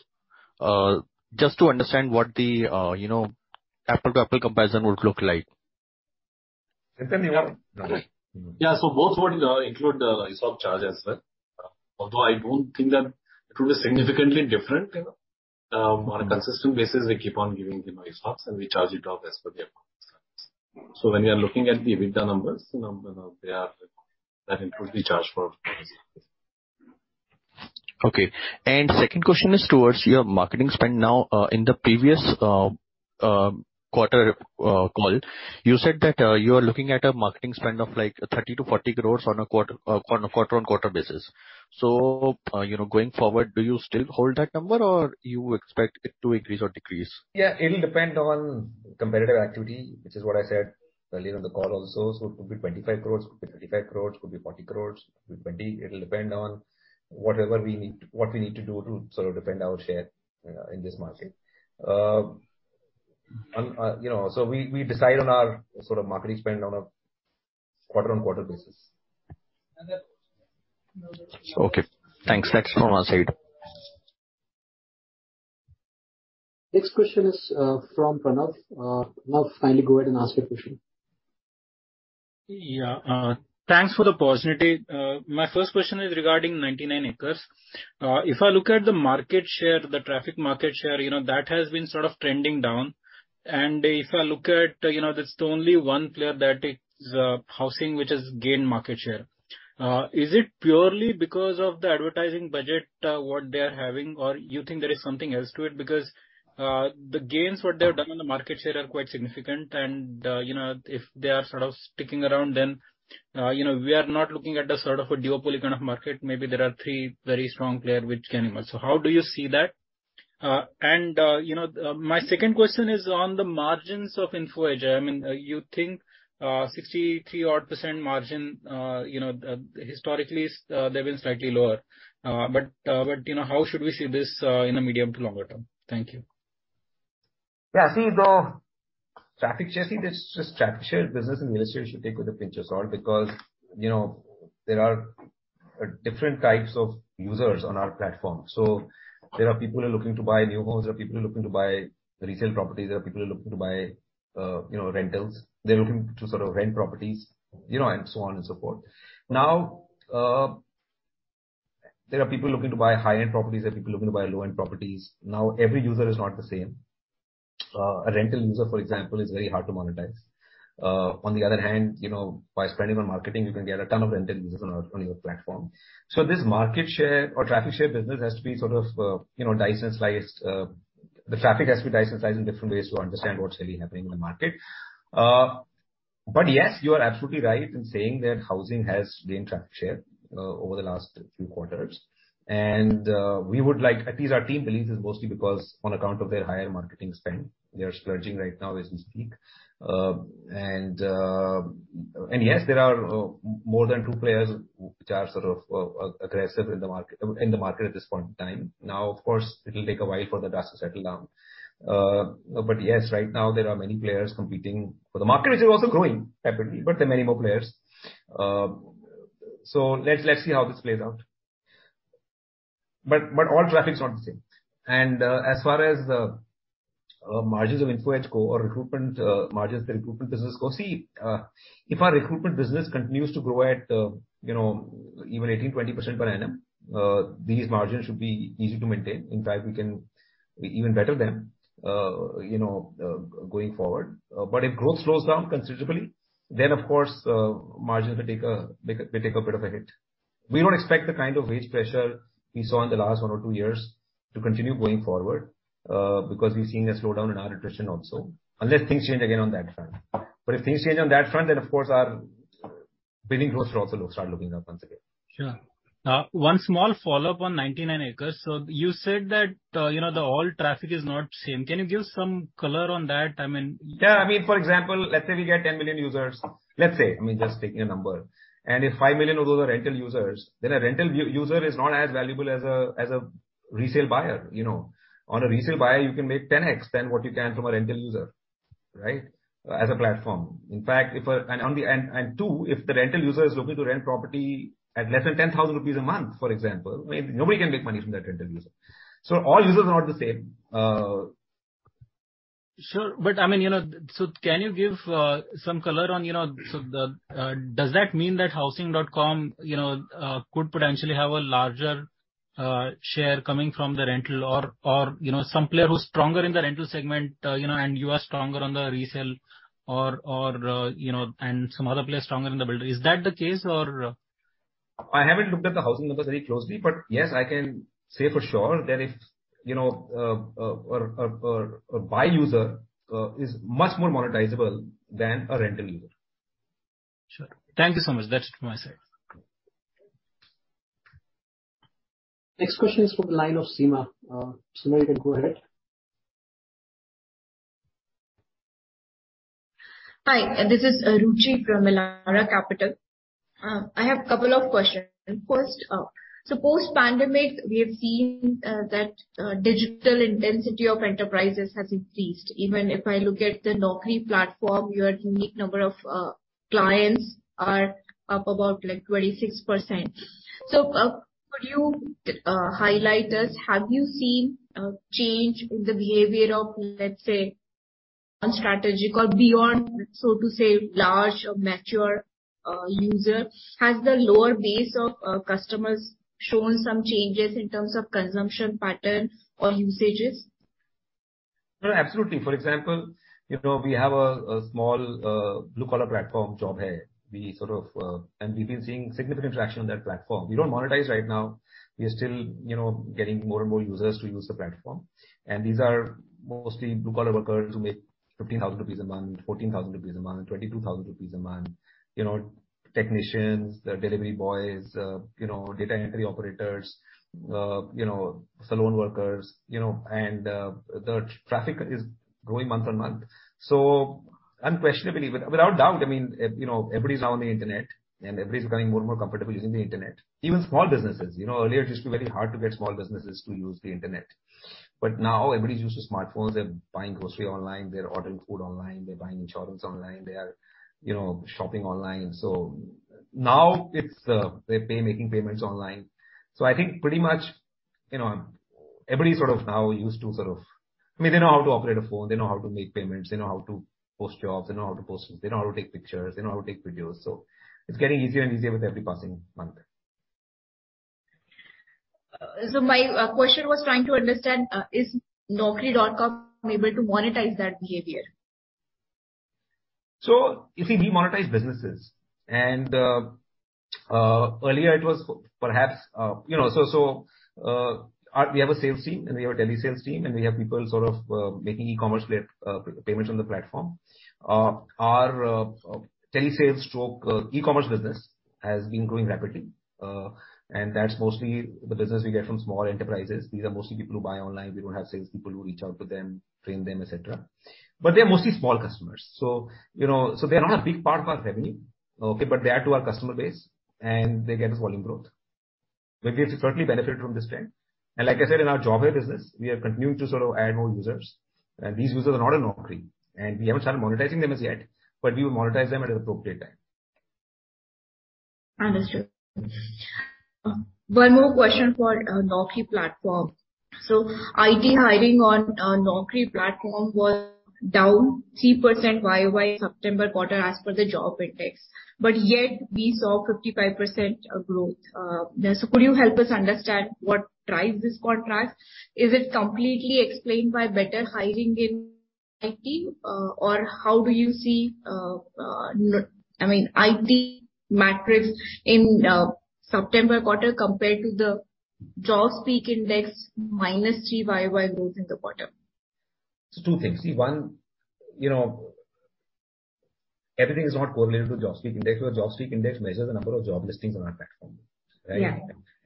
just to understand what the, you know, apples-to-apples comparison would look like. Nitin, you have it. Yeah. Both would include the ESOP charge as well. Although I don't think that it will be significantly different, you know. On a consistent basis, we keep on giving, you know, ESOPs and we charge it off as per the amount. When you are looking at the EBITDA numbers, you know, they are like that includes the charge for. Okay. Second question is towards your marketing spend now. In the previous quarter call, you said that you are looking at a marketing spend of like 30 crores-40 crores on a quarter-on-quarter basis. You know, going forward, do you still hold that number or you expect it to increase or decrease? Yeah. It'll depend on competitive activity, which is what I said earlier in the call also. It could be 25 crores, could be 35 crores, could be 40 crores, could be 20 crores. It'll depend on whatever we need, what we need to do to sort of defend our share in this market. You know, we decide on our sort of marketing spend on a quarter-over-quarter basis. Okay. Thanks. That's from our side. Next question is from Pranav. Pranav, kindly go ahead and ask your question. Yeah. Thanks for the opportunity. My first question is regarding 99acres.com. If I look at the market share, the traffic market share, you know, that has been sort of trending down. If I look at, you know, there's only one player that takes Housing.com which has gained market share. Is it purely because of the advertising budget, what they are having or you think there is something else to it? Because the gains what they have done on the market share are quite significant. You know, if they are sort of sticking around then, you know, we are not looking at a sort of a duopoly kind of market. Maybe there are three very strong player which can emerge. How do you see that? You know, my second question is on the margins of Info Edge. I mean, you think 63 odd % margin, you know, historically they've been slightly lower. You know, how should we see this in the medium to longer term? Thank you. Yeah. See, the traffic share, see this just traffic share business in real estate you should take with a pinch of salt because, you know, there are different types of users on our platform. There are people who are looking to buy new homes, there are people who are looking to buy resale properties, there are people who are looking to buy, you know, rentals. They're looking to sort of rent properties, you know, and so on and so forth. Now, there are people looking to buy high-end properties, there are people who are looking to buy low-end properties. Now, every user is not the same. A rental user, for example, is very hard to monetize. On the other hand, you know, by spending on marketing you can get a ton of rental users on your platform. This market share or traffic share business has to be sort of, you know, diced and sliced, the traffic has to be diced and sliced in different ways to understand what's really happening in the market. Yes, you are absolutely right in saying that Housing.com has gained traffic share over the last few quarters. We would like, at least our team believes it's mostly because on account of their higher marketing spend. They are splurging right now as we speak. Yes, there are more than two players which are sort of aggressive in the market at this point in time. Now of course it'll take a while for the dust to settle down. Yes, right now there are many players competing for the market which is also growing rapidly, but there are many more players. Let's see how this plays out. All traffic's not the same. As far as margins of Info Edge go or recruitment margins of the recruitment business go, see, if our recruitment business continues to grow at you know even 18%-20% per annum, these margins should be easy to maintain. In fact we can be even better than you know going forward. If growth slows down considerably, then of course margins will take a bit of a hit. We don't expect the kind of wage pressure we saw in the last one or two years to continue going forward, because we've seen a slowdown in our attrition also. Unless things change again on that front. If things change on that front, then of course our billing growth will also start moving up once again. Sure. One small follow-up on 99acres. You said that, you know, all traffic is not the same. Can you give some color on that? I mean. Yeah. I mean, for example, let's say we get 10 million users, let's say, I mean, just taking a number. If 5 million of those are rental users, then a rental user is not as valuable as a resale buyer, you know. On a resale buyer you can make 10x than what you can from a rental user, right? As a platform. In fact, if the rental user is looking to rent property at less than 10,000 rupees a month, for example, I mean, nobody can make money from that rental user. So all users are not the same. Sure. I mean, you know, can you give some color on, you know, does that mean that Housing.com could potentially have a larger share coming from the rental or, you know, some player who's stronger in the rental segment, you know, and you are stronger on the resale or, you know, and some other player is stronger in the builder. Is that the case or? I haven't looked at the Housing.com numbers very closely, but yes, I can say for sure that, you know, a buy user is much more monetizable than a rental user. Sure. Thank you so much. That's it from my side. Next question is from the line of Seema. Seema, you can go ahead. Hi, this is Ruchi from Elara Capital. I have a couple of questions. First, post-pandemic, we have seen that digital intensity of enterprises has increased. Even if I look at the Naukri platform, your unique number of clients are up about like 26%. Could you highlight us, have you seen change in the behavior of, let's say Our strategy called Beyond, so to say large or mature user. Has the lower base of customers shown some changes in terms of consumption pattern or usages? No, absolutely. For example, you know, we have a small blue-collar platform, Jobhai.com. We've been seeing significant traction on that platform. We don't monetize right now. We are still, you know, getting more and more users to use the platform. These are mostly blue-collar workers who make 15,000 rupees a month, 14,000 rupees a month, 22,000 rupees a month. You know, technicians, delivery boys, you know, data entry operators, you know, salon workers, you know, and the traffic is growing month-on-month. Unquestionably, without doubt, I mean, you know, everybody's now on the Internet, and everybody's becoming more and more comfortable using the Internet. Even small businesses. You know, earlier it used to be very hard to get small businesses to use the Internet. Now everybody's used to smartphones. They're buying grocery online, they're ordering food online, they're buying insurance online, they are, you know, shopping online. So now it's, they're making payments online. So I think pretty much, you know, everybody sort of now used to sort of I mean, they know how to operate a phone, they know how to make payments, they know how to post jobs. They know how to take pictures, they know how to take videos. So it's getting easier and easier with every passing month. My question was trying to understand is Naukri.com able to monetize that behavior? You see, we monetize businesses and we have a sales team and we have a telesales team, and we have people sort of making e-commerce-led payments on the platform. Our telesales slash e-commerce business has been growing rapidly, and that's mostly the business we get from small enterprises. These are mostly people who buy online. We don't have sales people who reach out to them, train them, et cetera. But they're mostly small customers. You know, they're not a big part of our revenue, okay, but they are to our customer base, and they get us volume growth. But we certainly benefit from this trend. Like I said, in our Jobhai.com business, we are continuing to sort of add more users, and these users are not on Naukri, and we haven't started monetizing them as yet, but we will monetize them at an appropriate time. Understood. One more question for Naukri platform. IT hiring on Naukri platform was down 3% YOY September quarter as per the JobSpeak, but yet we saw 55% growth. Could you help us understand what drives this contrast? Is it completely explained by better hiring in IT? Or how do you see, I mean, IT metrics in September quarter compared to the JobSpeak Index minus 3% YOY growth in the quarter? Two things. See, one, you know, everything is not correlated to JobSpeak. JobSpeak measures the number of job listings on our platform, right?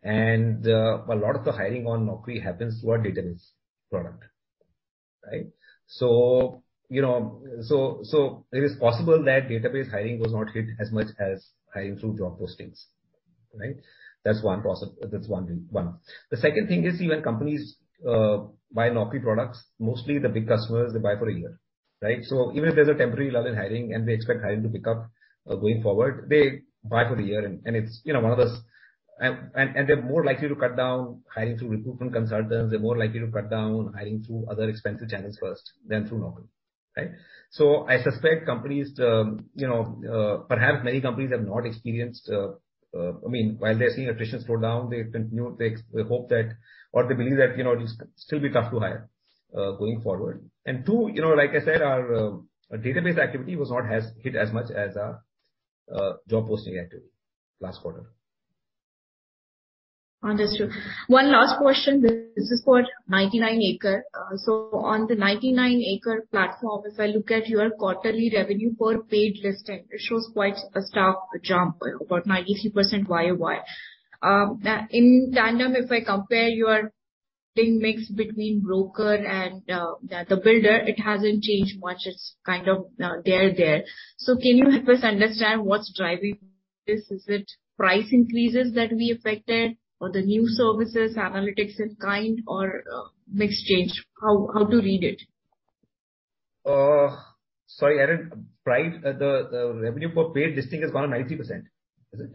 Yeah. A lot of the hiring on Naukri happens through our database product, right? You know, it is possible that database hiring was not hit as much as hiring through job postings, right? That's one. The second thing is, see, when companies buy Naukri products, mostly the big customers, they buy for a year, right? Even if there's a temporary lull in hiring and they expect hiring to pick up going forward, they buy for the year. It's you know, one of those. They're more likely to cut down hiring through recruitment consultants. They're more likely to cut down hiring through other expensive channels first than through Naukri, right? I suspect companies, you know, perhaps many companies have not experienced. I mean, while they're seeing attrition slow down, they hope that or they believe that, you know, it'll still be tough to hire going forward. Too, you know, like I said, our database activity was not hit as much as job posting activity last quarter. Understood. One last question. This is for 99acres. On the 99acres platform, if I look at your quarterly revenue per paid listing, it shows quite a stark jump, about 93% YOY. In tandem, if I compare your ad mix between broker and the builder, it hasn't changed much. It's kind of there. Can you help us understand what's driving this? Is it price increases that we effected or the new services, analytics and kind of mix change? How to read it? Price, the revenue per paid listing has gone up 90%, is it?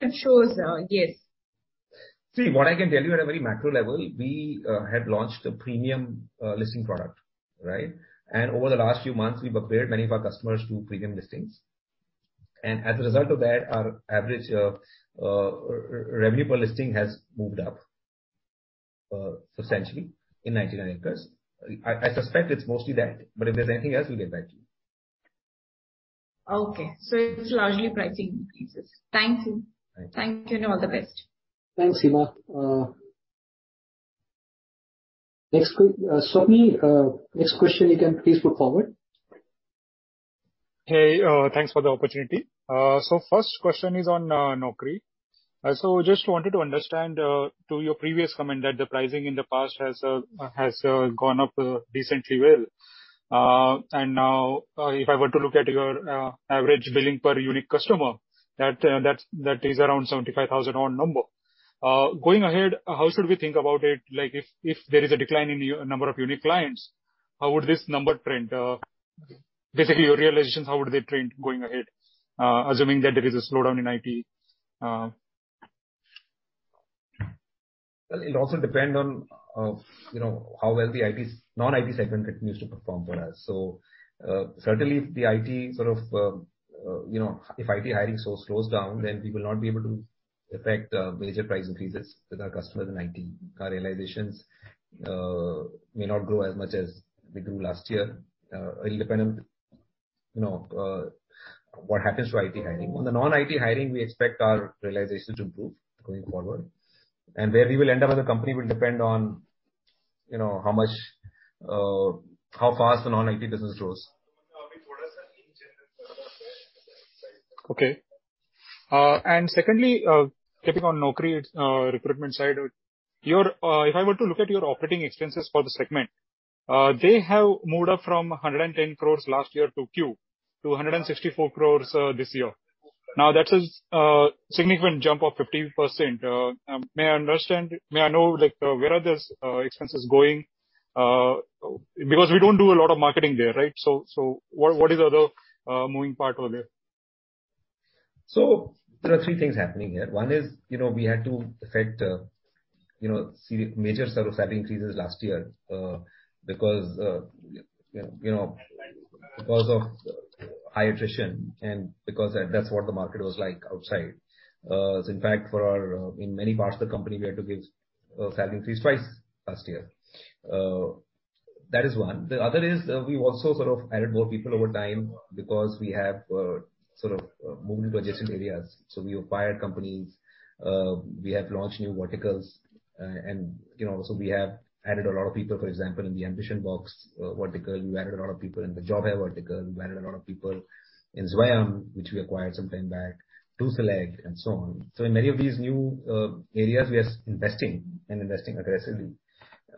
It shows, yes. See, what I can tell you at a very macro level, we had launched a premium listing product, right? Over the last few months, we've upgraded many of our customers to premium listings. As a result of that, our average revenue per listing has moved up substantially in 99acres. I suspect it's mostly that, but if there's anything else, we'll get back to you. Okay. It's largely pricing increases. Thank you. Right. Thank you, and all the best. Thanks, Seema. Sony, next question you can please put forward. Hey, thanks for the opportunity. First question is on Naukri. Just wanted to understand your previous comment that the pricing in the past has gone up decently well. Now, if I were to look at your average billing per unique customer, that is around 75,000 odd number. Going ahead, how should we think about it, like if there is a decline in number of unique clients, how would this number trend, basically your realizations, how would they trend going ahead, assuming that there is a slowdown in IT. Well, it'll also depend on, you know, how well the IT non-IT segment continues to perform for us. Certainly if the IT sort of, you know, if IT hiring slows down, then we will not be able to effect major price increases with our customers in IT. Our realizations may not grow as much as they grew last year. It'll depend on, you know, what happens to IT hiring. On the non-IT hiring, we expect our realizations to improve going forward. Where we will end up as a company will depend on, you know, how much, how fast the non-IT business grows. Okay. Secondly, clicking on Naukri, recruitment side, your, if I were to look at your operating expenses for the segment, they have moved up from 110 crore last year to 164 crore this year. Now, that is significant jump of 15%. May I know, like, where are these expenses going? Because we don't do a lot of marketing there, right? What is the other moving part over there? There are three things happening here. One is, you know, we had to effect, you know, major sort of salary increases last year, because, you know, because of high attrition and because that's what the market was like outside. In fact, in many parts of the company, we had to give a salary increase twice last year. That is one. The other is, we've also sort of added more people over time because we have, sort of, moved into adjacent areas. We acquired companies, we have launched new verticals. And you know, we have added a lot of people, for example, in the AmbitionBox vertical. We've added a lot of people in the Jobhai vertical. We've added a lot of people in Zwayam, which we acquired some time back, DoSelect and so on. In many of these new areas we are investing and investing aggressively.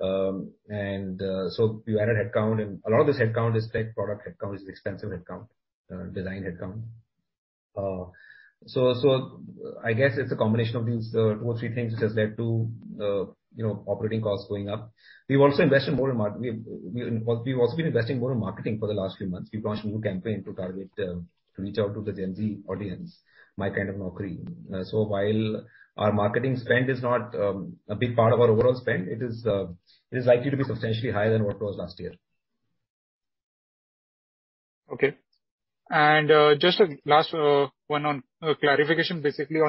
We added headcount and a lot of this headcount is tech product headcount. It's expensive headcount, design headcount. I guess it's a combination of these two or three things which has led to, you know, operating costs going up. We've also been investing more in marketing for the last few months. We've launched a new campaign to target, to reach out to the Gen Z audience, "My Kind of Naukri." While our marketing spend is not a big part of our overall spend, it is likely to be substantially higher than Is this related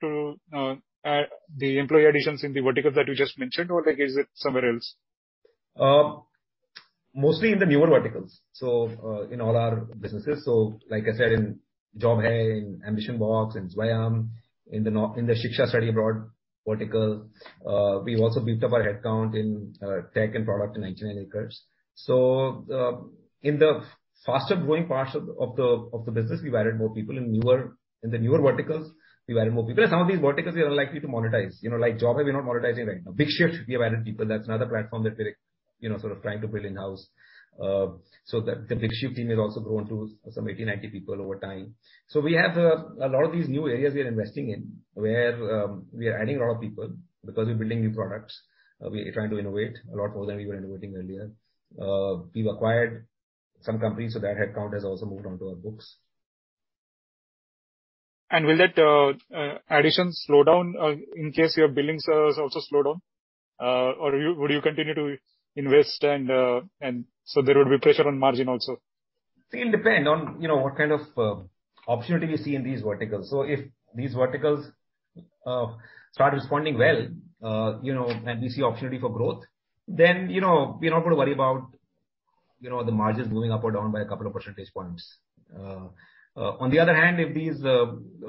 to the employee additions in the verticals that you just mentioned or like is it somewhere else? Mostly in the newer verticals. In all our businesses. Like I said, in Jobhai, in AmbitionBox, in Zwayam, in the Shiksha.com Study Abroad vertical. We've also built up our headcount in tech and product in 99acres. In the faster growing parts of the business, we've added more people. In the newer verticals, we've added more people. Some of these verticals we are likely to monetize. You know, like Jobhai we're not monetizing right now. BigShyft we have added people. That's another platform that we're, you know, sort of trying to build in-house. So the BigShyft team has also grown to some 80-90 people over time. We have a lot of these new areas we are investing in where we are adding a lot of people because we're building new products. We are trying to innovate a lot more than we were innovating earlier. We've acquired some companies, so their headcount has also moved on to our books. Will that addition slow down in case your billings also slow down? Or will you continue to invest and so there will be pressure on margin also? See, it'll depend on, you know, what kind of opportunity we see in these verticals. If these verticals start responding well, you know, and we see opportunity for growth, then, you know, we're not gonna worry about, you know, the margins moving up or down by a couple of percentage points. On the other hand, if these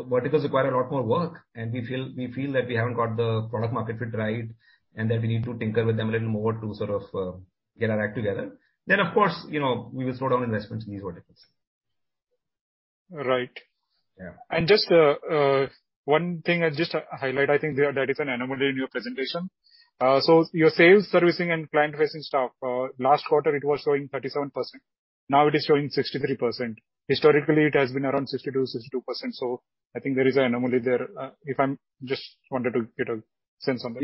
verticals require a lot more work and we feel that we haven't got the product market fit right, and that we need to tinker with them a little more to sort of get our act together, then of course, you know, we will slow down investments in these verticals. Right. Yeah. One thing I'll just highlight, I think that's an anomaly in your presentation. Your sales, servicing and client facing staff, last quarter it was showing 37%, now it is showing 63%. Historically, it has been around 60%-62%. I think that's an anomaly there. Just wanted to get a sense on that.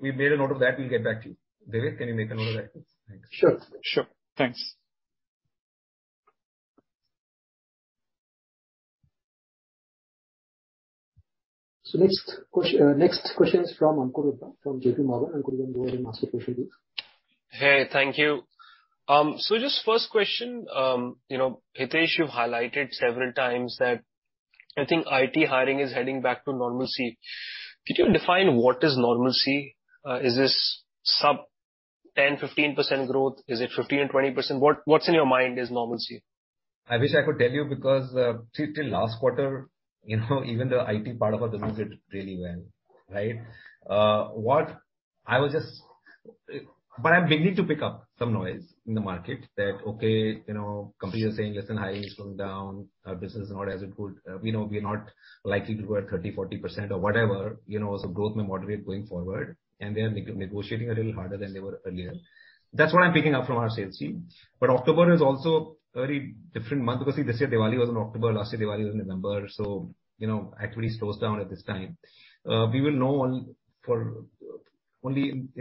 We made a note of that. We'll get back to you. David, can you make a note of that please? Thanks. Sure. Sure. Thanks. Next question is from Ankur Upadhyay from JP Morgan. Ankur Upadhyay and Masood Khan with you. Hey, thank you. Just first question. You know, Hitesh, you've highlighted several times that I think IT hiring is heading back to normalcy. Could you define what is normalcy? Is this sub 10, 15% growth? Is it 15, 20%? What's in your mind is normalcy? I wish I could tell you because, see till last quarter, you know, even the IT part of our business did really well, right? I'm beginning to pick up some noise in the market that, okay, you know, companies are saying, "Listen, hiring is slowing down. Our business is not as it could. We know we're not likely to grow at 30%-40% or whatever. You know, so growth may moderate going forward." They are negotiating a little harder than they were earlier. That's what I'm picking up from our sales team. October is also a very different month because, see, this year Diwali was in October. Last year Diwali was in November, so you know, activity slows down at this time. We will know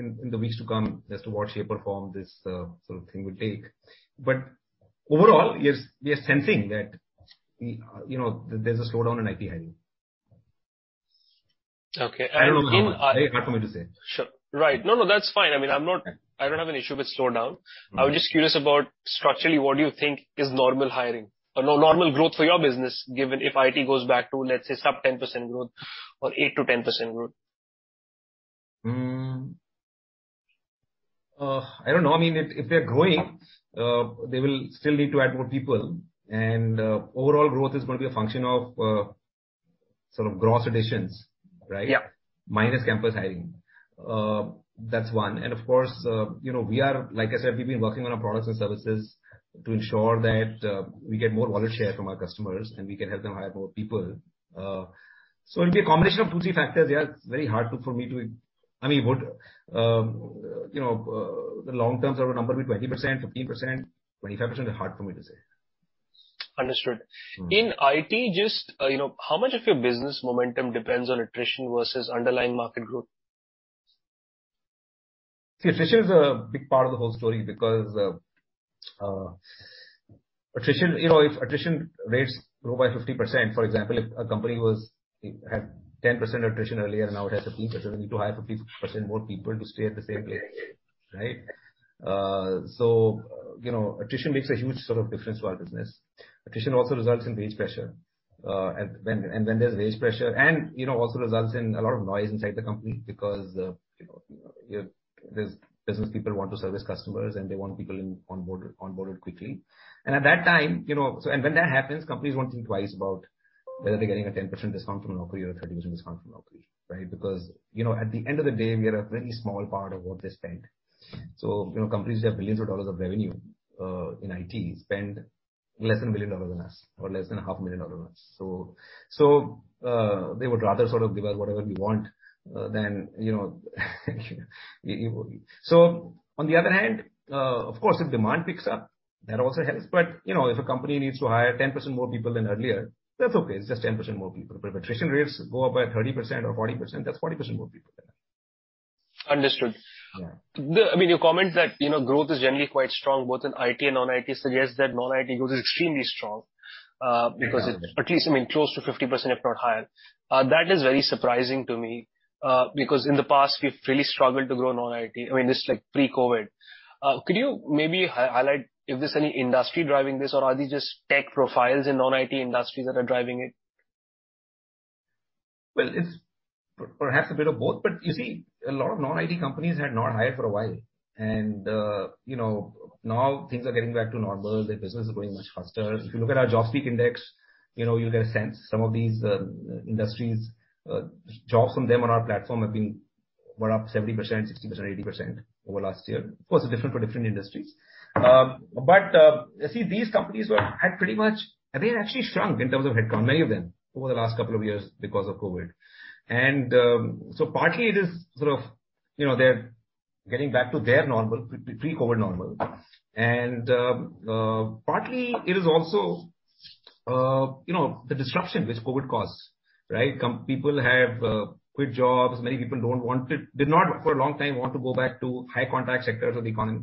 in the weeks to come as to what shape or form this sort of thing will take. Overall, yes, we are sensing that, you know, there's a slowdown in IT hiring. Okay. In I don't know how much. Very hard for me to say. Sure. Right. No, no, that's fine. I mean, I don't have an issue with slowdown. I was just curious about structurally what do you think is normal growth for your business given if IT goes back to, let's say, sub 10% growth or 8%-10% growth? I don't know. I mean, if they're growing, they will still need to add more people and, overall growth is gonna be a function of, sort of gross additions, right? Yeah. Minus campus hiring. That's one. Of course, you know, like I said, we've been working on our products and services to ensure that we get more wallet share from our customers and we can help them hire more people. It'll be a combination of two, three factors. I mean, would you know the long-term sort of number be 20%, 15%, 25%? Hard for me to say. Understood. In IT, just, you know, how much of your business momentum depends on attrition versus underlying market growth? See, attrition is a big part of the whole story because attrition, you know, if attrition rates grow by 50%, for example, if a company had 10% attrition earlier, now it has 15%, they need to hire 15% more people to stay at the same place, right? You know, attrition makes a huge sort of difference to our business. Attrition also results in wage pressure. When there's wage pressure and, you know, also results in a lot of noise inside the company because, you know, there's business people who want to service customers and they want people onboarded quickly. At that time, you know, when that happens, companies won't think twice about whether they're getting a 10% discount from Naukri or a 30% discount from Naukri, right? Because you know, at the end of the day, we are a very small part of what they spend. You know, companies who have billions of dollars of revenue in IT spend less than $1 million with us or less than half a million dollars with us. They would rather sort of give us whatever we want than you know. On the other hand, of course, if demand picks up, that also helps. You know, if a company needs to hire 10% more people than earlier, that's okay, it's just 10% more people. If attrition rates go up by 30% or 40%, that's 40% more people than. Understood. Yeah. I mean, your comment that, you know, growth is generally quite strong both in IT and non-IT suggests that non-IT growth is extremely strong. Exactly. Because it's at least, I mean, close to 50% if not higher. That is very surprising to me, because in the past we've really struggled to grow non-IT. I mean, this is like pre-COVID. Could you maybe highlight if there's any industry driving this or are these just tech profiles in non-IT industries that are driving it? Well, it's perhaps a bit of both. You see, a lot of non-IT companies had not hired for a while. You know, now things are getting back to normal, their business is growing much faster. If you look at our JobSpeak index, you know, you'll get a sense. Some of these industries, jobs from them on our platform were up 70%, 60%, 80% over last year. Of course it's different for different industries. See, these companies had pretty much... They had actually shrunk in terms of headcount, many of them, over the last couple of years because of COVID. Partly it is sort of, you know, they're getting back to their normal, pre-COVID normal. Partly it is also, you know, the disruption which COVID caused, right? Some people have quit jobs. Many people did not for a long time want to go back to high contact sectors of the economy.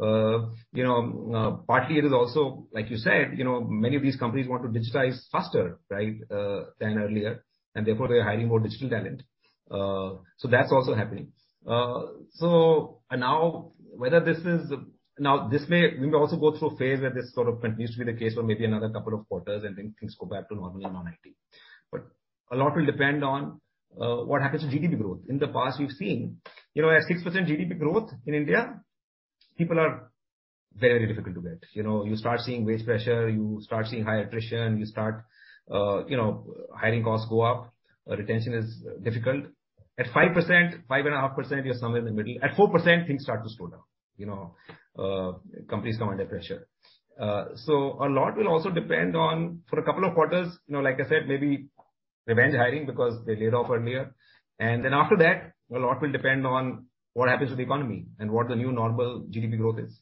You know, partly it is also, like you said, you know, many of these companies want to digitize faster, right, than earlier, and therefore they're hiring more digital talent. So that's also happening. Now we may also go through a phase where this sort of continues to be the case for maybe another couple of quarters and then things go back to normal in non-IT. A lot will depend on what happens to GDP growth. In the past, we've seen, you know, at 6% GDP growth in India, people are very difficult to get. You know, you start seeing wage pressure, you start seeing high attrition, you know, hiring costs go up, retention is difficult. At 5%, 5.5%, you're somewhere in the middle. At 4%, things start to slow down. You know, companies come under pressure. A lot will also depend on, for a couple of quarters, you know, like I said, maybe revenge hiring because they laid off earlier. After that, a lot will depend on what happens to the economy and what the new normal GDP growth is.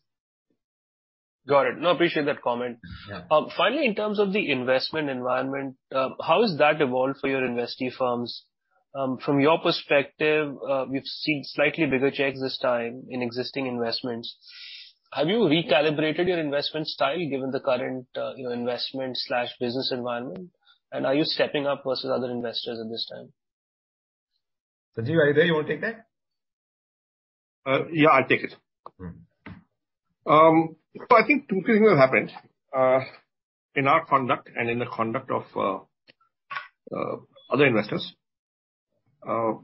Got it. No, appreciate that comment. Yeah. Finally, in terms of the investment environment, how has that evolved for your investee firms? From your perspective, we've seen slightly bigger checks this time in existing investments. Have you recalibrated your investment style given the current, you know, investment/business environment? Are you stepping up versus other investors at this time? Sanjeev, are you there? You wanna take that? Yeah, I'll take it. I think two things have happened in our conduct and in the conduct of other investors. Number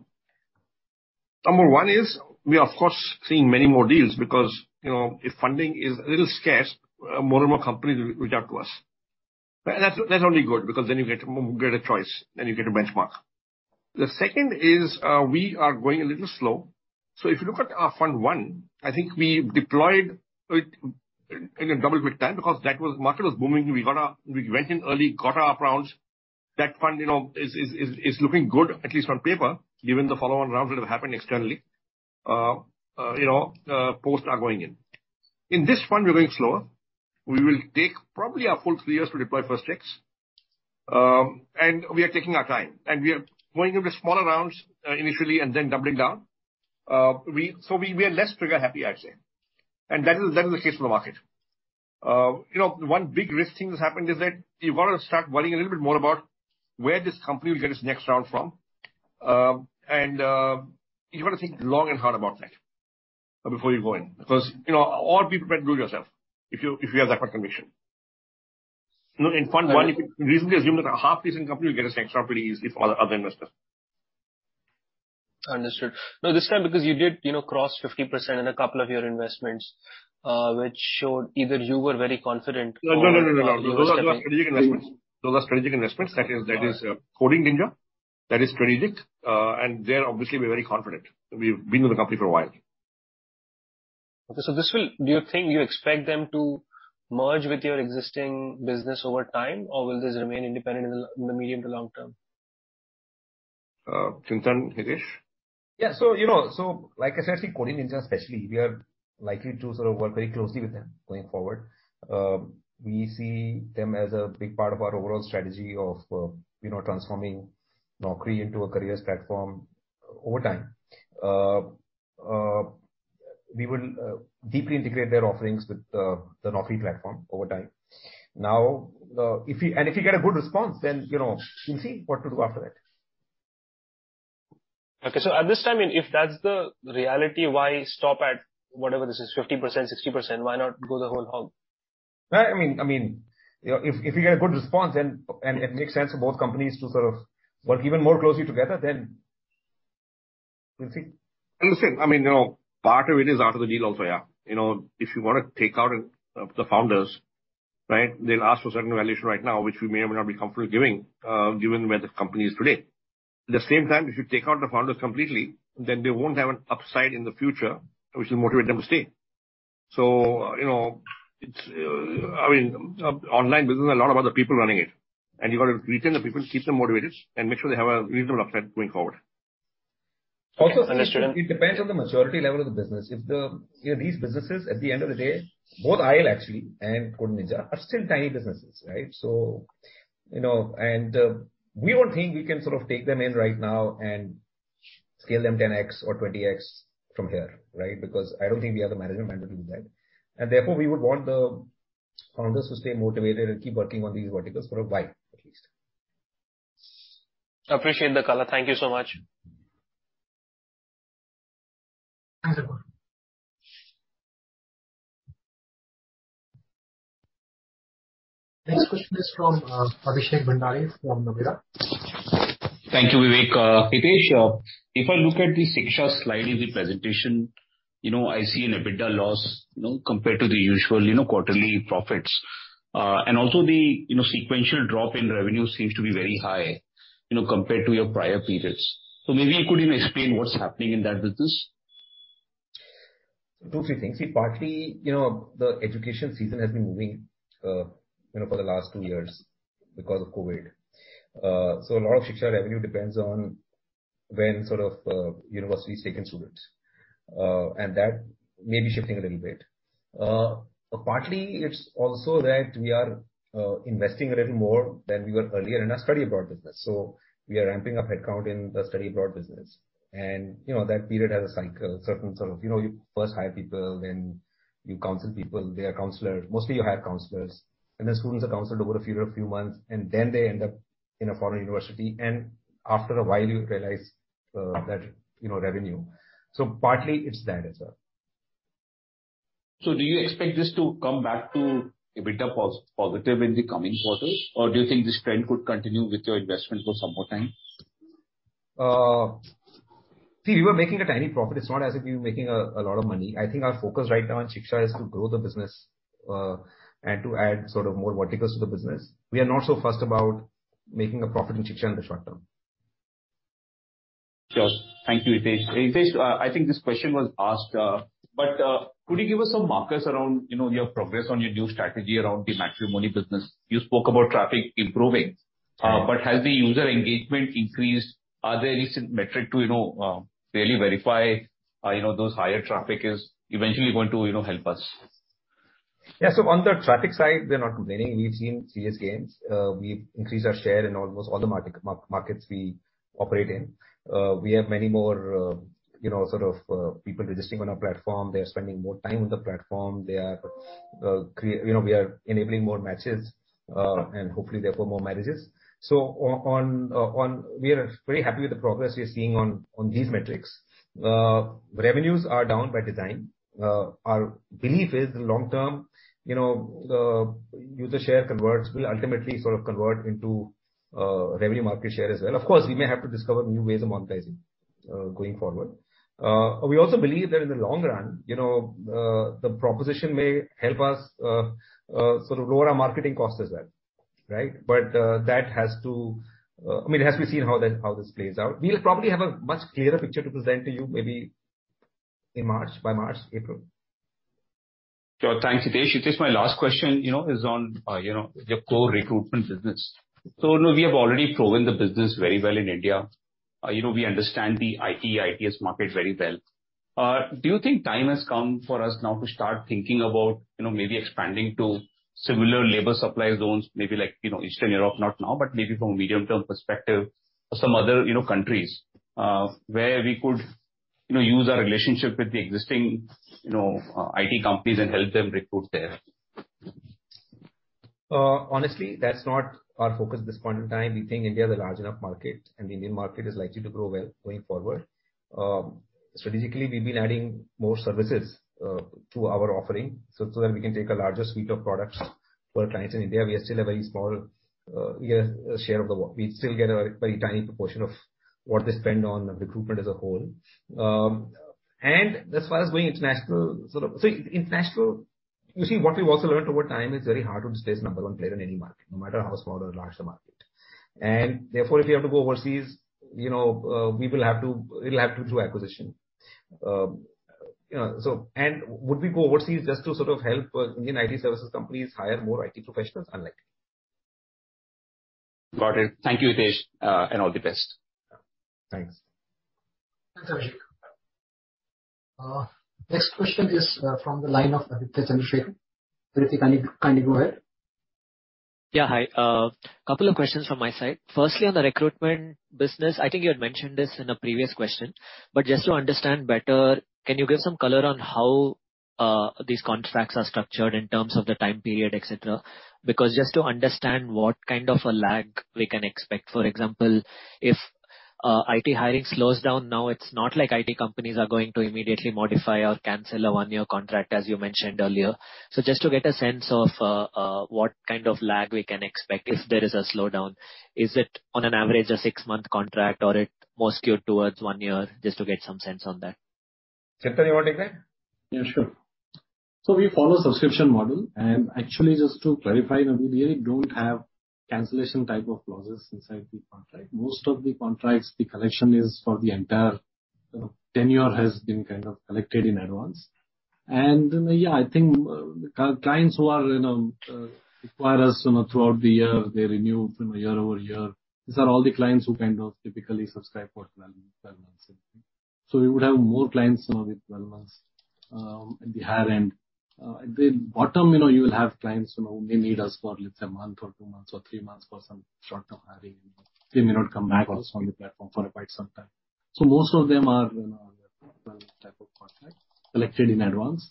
one is we are of course seeing many more deals because, you know, if funding is a little scarce, more and more companies will reach out to us. Right? That's only good because then you get greater choice, then you get a benchmark. The second is we are going a little slow. If you look at our fund one, I think we deployed it in double quick time because that was market was booming. We went in early, got our up rounds. That fund, you know, is looking good at least on paper, given the follow-on rounds that have happened externally. You know, posts are going in. In this fund we're going slower. We will take probably a full three years to deploy first checks. We are taking our time, and we are going with smaller rounds, initially and then doubling down. We are less trigger-happy, I'd say. That is the case for the market. You know, one big risk thing that's happened is that you wanna start worrying a little bit more about where this company will get its next round from. You wanna think long and hard about that before you go in. Because, you know, all people can't Google yourself if you have that much conviction. You know, in fund one. Understood. You reasonably assume that a half-decent company will get its next round pretty easily from other investors. Understood. No, this time because you did, you know, cross 50% in a couple of your investments, which showed either you were very confident or- No. Those are strategic investments. That is Coding Ninjas. That is strategic. There obviously we're very confident. We've been with the company for a while. Do you think you expect them to merge with your existing business over time, or will this remain independent in the medium to long term? Chintan, Hitesh? You know, like I said, I think Coding Ninjas especially, we are likely to sort of work very closely with them going forward. We see them as a big part of our overall strategy of, you know, transforming Naukri into a careers platform over time. We will deeply integrate their offerings with the Naukri platform over time. Now, if we get a good response, then, you know, we'll see what to do after that. Okay, at this time, if that's the reality, why stop at whatever this is, 50%, 60%? Why not go the whole hog? I mean, you know, if we get a good response, then and it makes sense for both companies to sort of work even more closely together, then we'll see. Listen, I mean, you know, part of it is out of the deal also, yeah. You know, if you wanna take out the founders, right? They'll ask for a certain valuation right now, which we may or may not be comfortable giving, given where the company is today. At the same time, if you take out the founders completely, then they won't have an upside in the future, which will motivate them to stay. You know, it's, I mean, online business, a lot of other people running it, and you've got to retain the people, keep them motivated and make sure they have a reasonable upside going forward. Understood. Also, it depends on the maturity level of the business. You know, these businesses, at the end of the day, both Aisle actually and Coding Ninjas are still tiny businesses, right? You know, and we don't think we can sort of take them in right now and scale them 10x or 20x from here, right? Because I don't think we have the management bandwidth to do that. Therefore, we would want the founders to stay motivated and keep working on these verticals for a while at least. Appreciate the color. Thank you so much. Thanks, Ankur. Next question is from Abhishek Bhandari from Nomura. Thank you, Vivek. Hitesh, if I look at the Shiksha slide in the presentation, you know, I see an EBITDA loss, you know, compared to the usual, you know, quarterly profits. Also the, you know, sequential drop in revenue seems to be very high, you know, compared to your prior periods. Maybe you could even explain what's happening in that business. 2, 3 things. See, partly, you know, the education season has been moving for the last 2 years because of COVID. A lot of Shiksha.com revenue depends on when sort of universities take in students, and that may be shifting a little bit. Partly it's also that we are investing a little more than we were earlier in our study abroad business. We are ramping up headcount in the study abroad business. You know, that period has a cycle, certain sort of. You know, you first hire people, then you counsel people. They are counselors. Mostly you hire counselors. Students are counseled over a few months, and then they end up in a foreign university. After a while you realize that, you know, revenue. Partly it's that as well. Do you expect this to come back to EBITDA positive in the coming quarters? Or do you think this trend could continue with your investment for some more time? See, we were making a tiny profit. It's not as if we were making a lot of money. I think our focus right now on Shiksha.com is to grow the business, and to add sort of more verticals to the business. We are not so fussed about making a profit in Shiksha.com in the short term. Sure. Thank you, Hitesh. Hitesh, I think this question was asked, but, could you give us some markers around, you know, your progress on your new strategy around the matrimony business? You spoke about traffic improving. Yeah. has the user engagement increased? Are there recent metric to, you know, really verify, you know, those higher traffic is eventually going to, you know, help us? Yeah, on the traffic side, we're not complaining. We've seen serious gains. We've increased our share in almost all the markets we operate in. We have many more, you know, sort of, people registering on our platform. They are spending more time on the platform. They are, you know, we are enabling more matches, and hopefully therefore more marriages. We are very happy with the progress we are seeing on these metrics. Revenues are down by design. Our belief is long term, you know, user share converts will ultimately sort of convert into revenue market share as well. Of course, we may have to discover new ways of monetizing going forward. We also believe that in the long run, you know, the proposition may help us sort of lower our marketing costs as well, right? I mean, it has to be seen how this plays out. We'll probably have a much clearer picture to present to you maybe in March, by March, April. Sure. Thanks, Hitesh. Hitesh, my last question, you know, is on your core recruitment business. You know, we have already proven the business very well in India. You know, we understand the IT, ITES market very well. Do you think time has come for us now to start thinking about, you know, maybe expanding to similar labor supply zones, maybe like, you know, Eastern Europe? Not now, but maybe from a medium-term perspective or some other, you know, countries, where we could, you know, use our relationship with the existing, you know, IT companies and help them recruit there. Honestly, that's not our focus at this point in time. We think India is a large enough market, and the Indian market is likely to grow well going forward. Strategically, we've been adding more services to our offering so that we can take a larger suite of products for our clients in India. We are still a very small share of the work. We still get a very tiny proportion of what they spend on recruitment as a whole. As far as going international, sort of international, you see, what we've also learned over time, it's very hard to displace number one player in any market, no matter how small or large the market. Therefore, if you have to go overseas, you know, we'll have to do acquisition. You know. Would we go overseas just to sort of help Indian IT services companies hire more IT professionals? Unlikely. Got it. Thank you, Hitesh, and all the best. Thanks. Thanks, Abhishek. Next question is from the line of Ritesh Anand. Ritesh, can you kindly go ahead? Yeah, hi. Couple of questions from my side. Firstly, on the recruitment business, I think you had mentioned this in a previous question, but just to understand better, can you give some color on how these contracts are structured in terms of the time period, et cetera? Because just to understand what kind of a lag we can expect, for example, if IT hiring slows down now, it's not like IT companies are going to immediately modify or cancel a one-year contract, as you mentioned earlier. Just to get a sense of what kind of lag we can expect if there is a slowdown. Is it on an average a six-month contract or it more skewed towards one year? Just to get some sense on that. Chintan, you wanna take that? Yeah, sure. We follow subscription model, and actually, just to clarify that we really don't have cancellation type of clauses inside the contract. Most of the contracts, the collection is for the entire, you know, tenure has been kind of collected in advance. Yeah, I think clients who are, you know, require us, you know, throughout the year, they renew year-over-year. These are all the clients who kind of typically subscribe for 12 months. We would have more clients, you know, with 12 months at the higher end. At the bottom, you know, you will have clients who, you know, who may need us for, let's say a month or 2 months or 3 months for some short-term hiring. They may not come back also on the platform for quite some time. Most of them are, you know, on the 12 type of contracts collected in advance.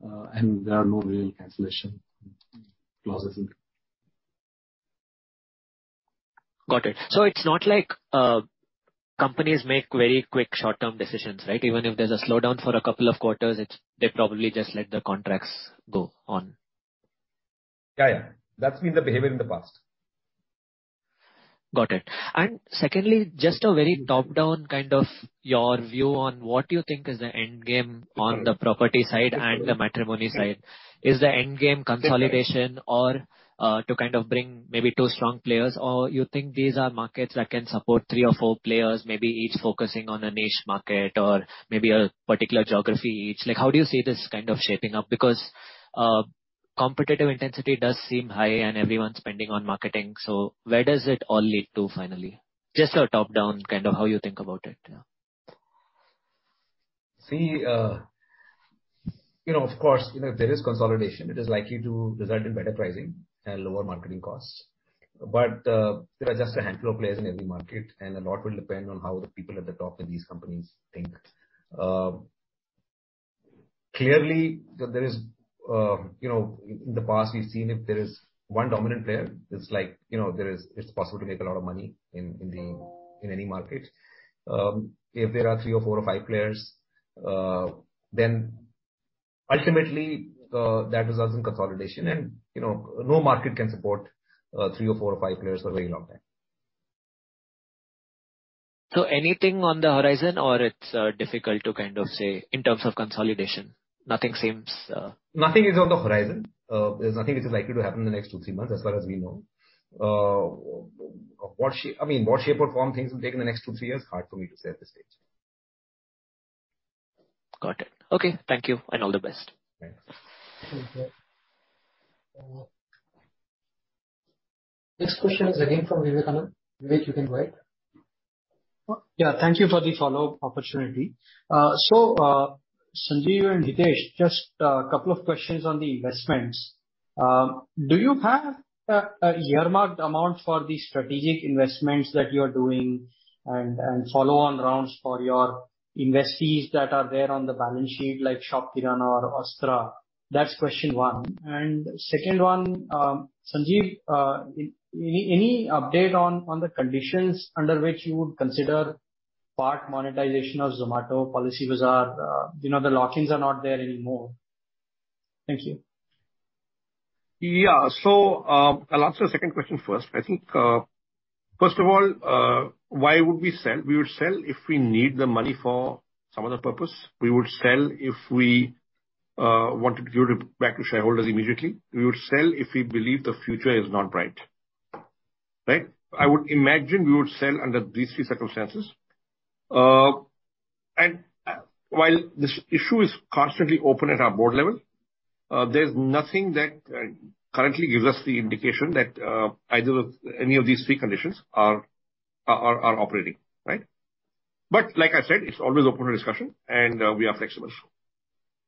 There are no real cancellation clauses in there. It's not like companies make very quick short-term decisions, right? Even if there's a slowdown for a couple of quarters, they probably just let the contracts go on. Yeah. That's been the behavior in the past. Got it. Secondly, just a very top-down kind of your view on what you think is the end game on the property side and the matrimony side. Is the end game consolidation or to kind of bring maybe two strong players? Or you think these are markets that can support three or four players, maybe each focusing on a niche market or maybe a particular geography each? Like, how do you see this kind of shaping up? Because competitive intensity does seem high and everyone's spending on marketing. Where does it all lead to finally? Just your top-down, kind of how you think about it. Yeah. See, you know, of course, you know, there is consolidation. It is likely to result in better pricing and lower marketing costs. There are just a handful of players in every market, and a lot will depend on how the people at the top of these companies think. Clearly there is, you know, in the past we've seen if there is one dominant player, it's like, you know, there is, it's possible to make a lot of money in the, in any market. If there are three or four or five players, then ultimately, that results in consolidation. You know, no market can support three or four or five players for a very long time. Anything on the horizon or it's difficult to kind of say in terms of consolidation? Nothing seems Nothing is on the horizon. There's nothing which is likely to happen in the next 2-3 months as far as we know. I mean, what shape or form things will take in the next 2-3 years, hard for me to say at this stage. Got it. Okay. Thank you and all the best. Thanks. Thank you. Next question is again from Vivek Anand. Vivek, you can go ahead. Yeah, thank you for the follow-up opportunity. So, Sanjeev and Hitesh, just a couple of questions on the investments. Do you have a earmarked amount for the strategic investments that you are doing and follow-on rounds for your investees that are there on the balance sheet, like ShopKirana or Ustraa? That's question one. Second one, Sanjeev, any update on the conditions under which you would consider part monetization of Zomato, Policybazaar? You know, the lock-ins are not there anymore. Thank you. Yeah. I'll answer the second question first. I think, first of all, why would we sell? We would sell if we need the money for some other purpose. We would sell if we wanted to give it back to shareholders immediately. We would sell if we believe the future is not bright. Right? I would imagine we would sell under these three circumstances. While this issue is constantly open at our board level. There's nothing that currently gives us the indication that either of any of these three conditions are operating, right? Like I said, it's always open to discussion, and we are flexible.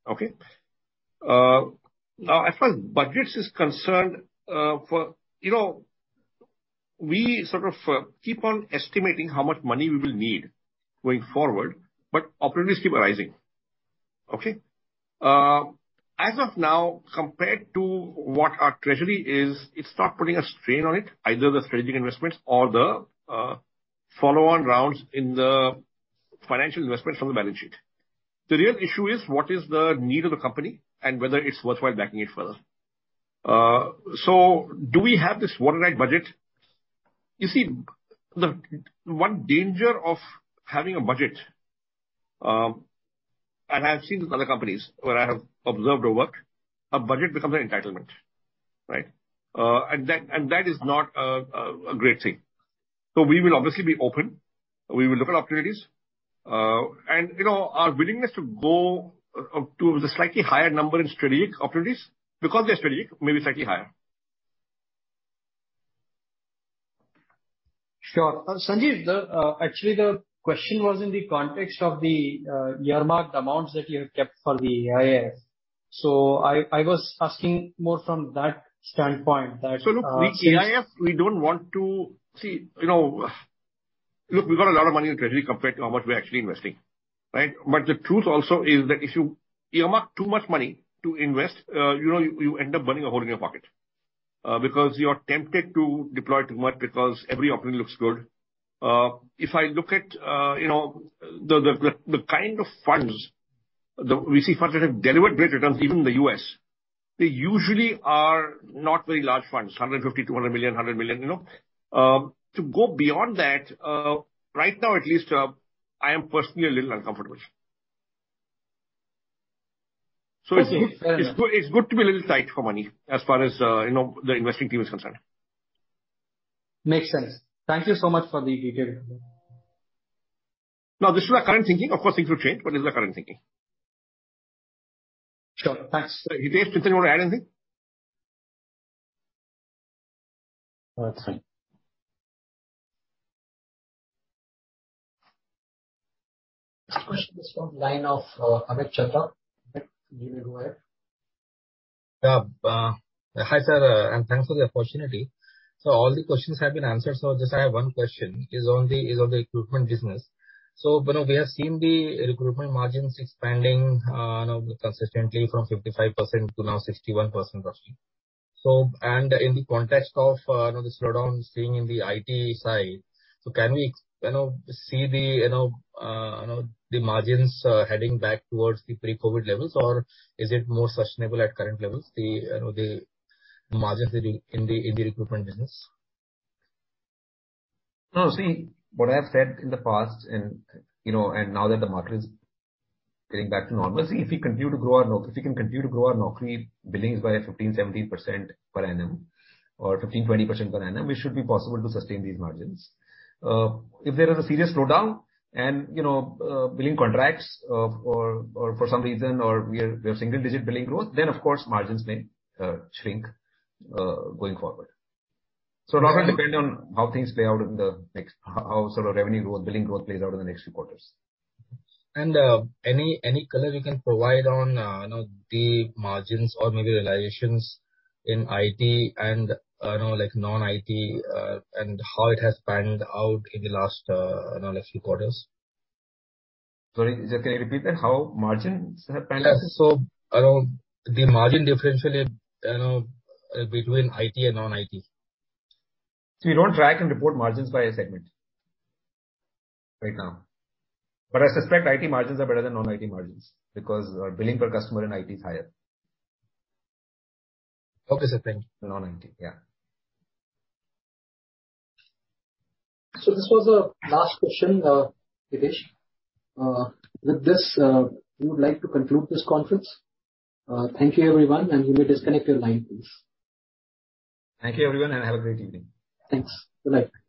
Okay? Now as far as budgets is concerned, you know, we sort of keep on estimating how much money we will need going forward, but opportunities keep arising. Okay? As of now, compared to what our treasury is, it's not putting a strain on it, either the strategic investments or the follow-on rounds in the financial investments from the balance sheet. The real issue is what is the need of the company and whether it's worthwhile backing it further. Do we have this watertight budget? You see, the one danger of having a budget, and I've seen this in other companies where I have observed or worked, a budget becomes an entitlement, right? That is not a great thing. We will obviously be open. We will look at opportunities. You know, our willingness to go up to the slightly higher number in strategic opportunities, because they're strategic, may be slightly higher. Sure. Sanjeev, actually the question was in the context of the earmarked amounts that you have kept for the AIF. I was asking more from that standpoint that, The AIF, we don't want to. We've got a lot of money in treasury compared to how much we're actually investing, right? The truth also is that if you earmark too much money to invest, you know, you end up burning a hole in your pocket. Because you are tempted to deploy too much because every opportunity looks good. If I look at you know, the kind of funds. We see funds that have delivered great returns, even in the U.S., they usually are not very large funds, $150 million, $200 million, $100 million, you know. To go beyond that, right now at least, I am personally a little uncomfortable. Okay. Fair enough. It's good to be a little tight for money as far as, you know, the investing team is concerned. Makes sense. Thank you so much for the detail. Now, this is our current thinking. Of course, things will change, but this is our current thinking. Sure. Thanks. Hitesh, is there anything you want to add? That's it. Next question is from the line of, Amit Chandra. Amit, you may go ahead. Yeah. Hi, sir, and thanks for the opportunity. All the questions have been answered. Just I have one question is on the recruitment business. You know, we have seen the recruitment margins expanding, you know, consistently from 55% to now 61% roughly. In the context of, you know, the slowdown seen in the IT side, can we you know, see the, you know, the margins heading back towards the pre-COVID levels, or is it more sustainable at current levels, the, you know, the margins in the recruitment business? No. See, what I've said in the past and, you know, now that the market is getting back to normal. See, if we can continue to grow our Naukri billings by 15%-17% per annum or 15%-20% per annum, it should be possible to sustain these margins. If there is a serious slowdown and, you know, billing contracts or for some reason we have single-digit billing growth, then of course margins may shrink going forward. It'll all depend on how things play out in the next few quarters. How sort of revenue growth, billing growth plays out in the next few quarters. Any color you can provide on, you know, the margins or maybe realizations in IT and, you know, like non-IT, and how it has panned out in the last, you know, like few quarters? Sorry, can you repeat that? How margins have panned out? Yes. You know, the margin differentially, you know, between IT and non-IT. See, we don't track and report margins by a segment right now. I suspect IT margins are better than non-IT margins because our billing per customer in IT is higher. Okay, sir. Thank you. Non-IT. Yeah. This was the last question, Hitesh. With this, we would like to conclude this conference. Thank you, everyone, and you may disconnect your line, please. Thank you, everyone, and have a great evening. Thanks. Good night. Thanks.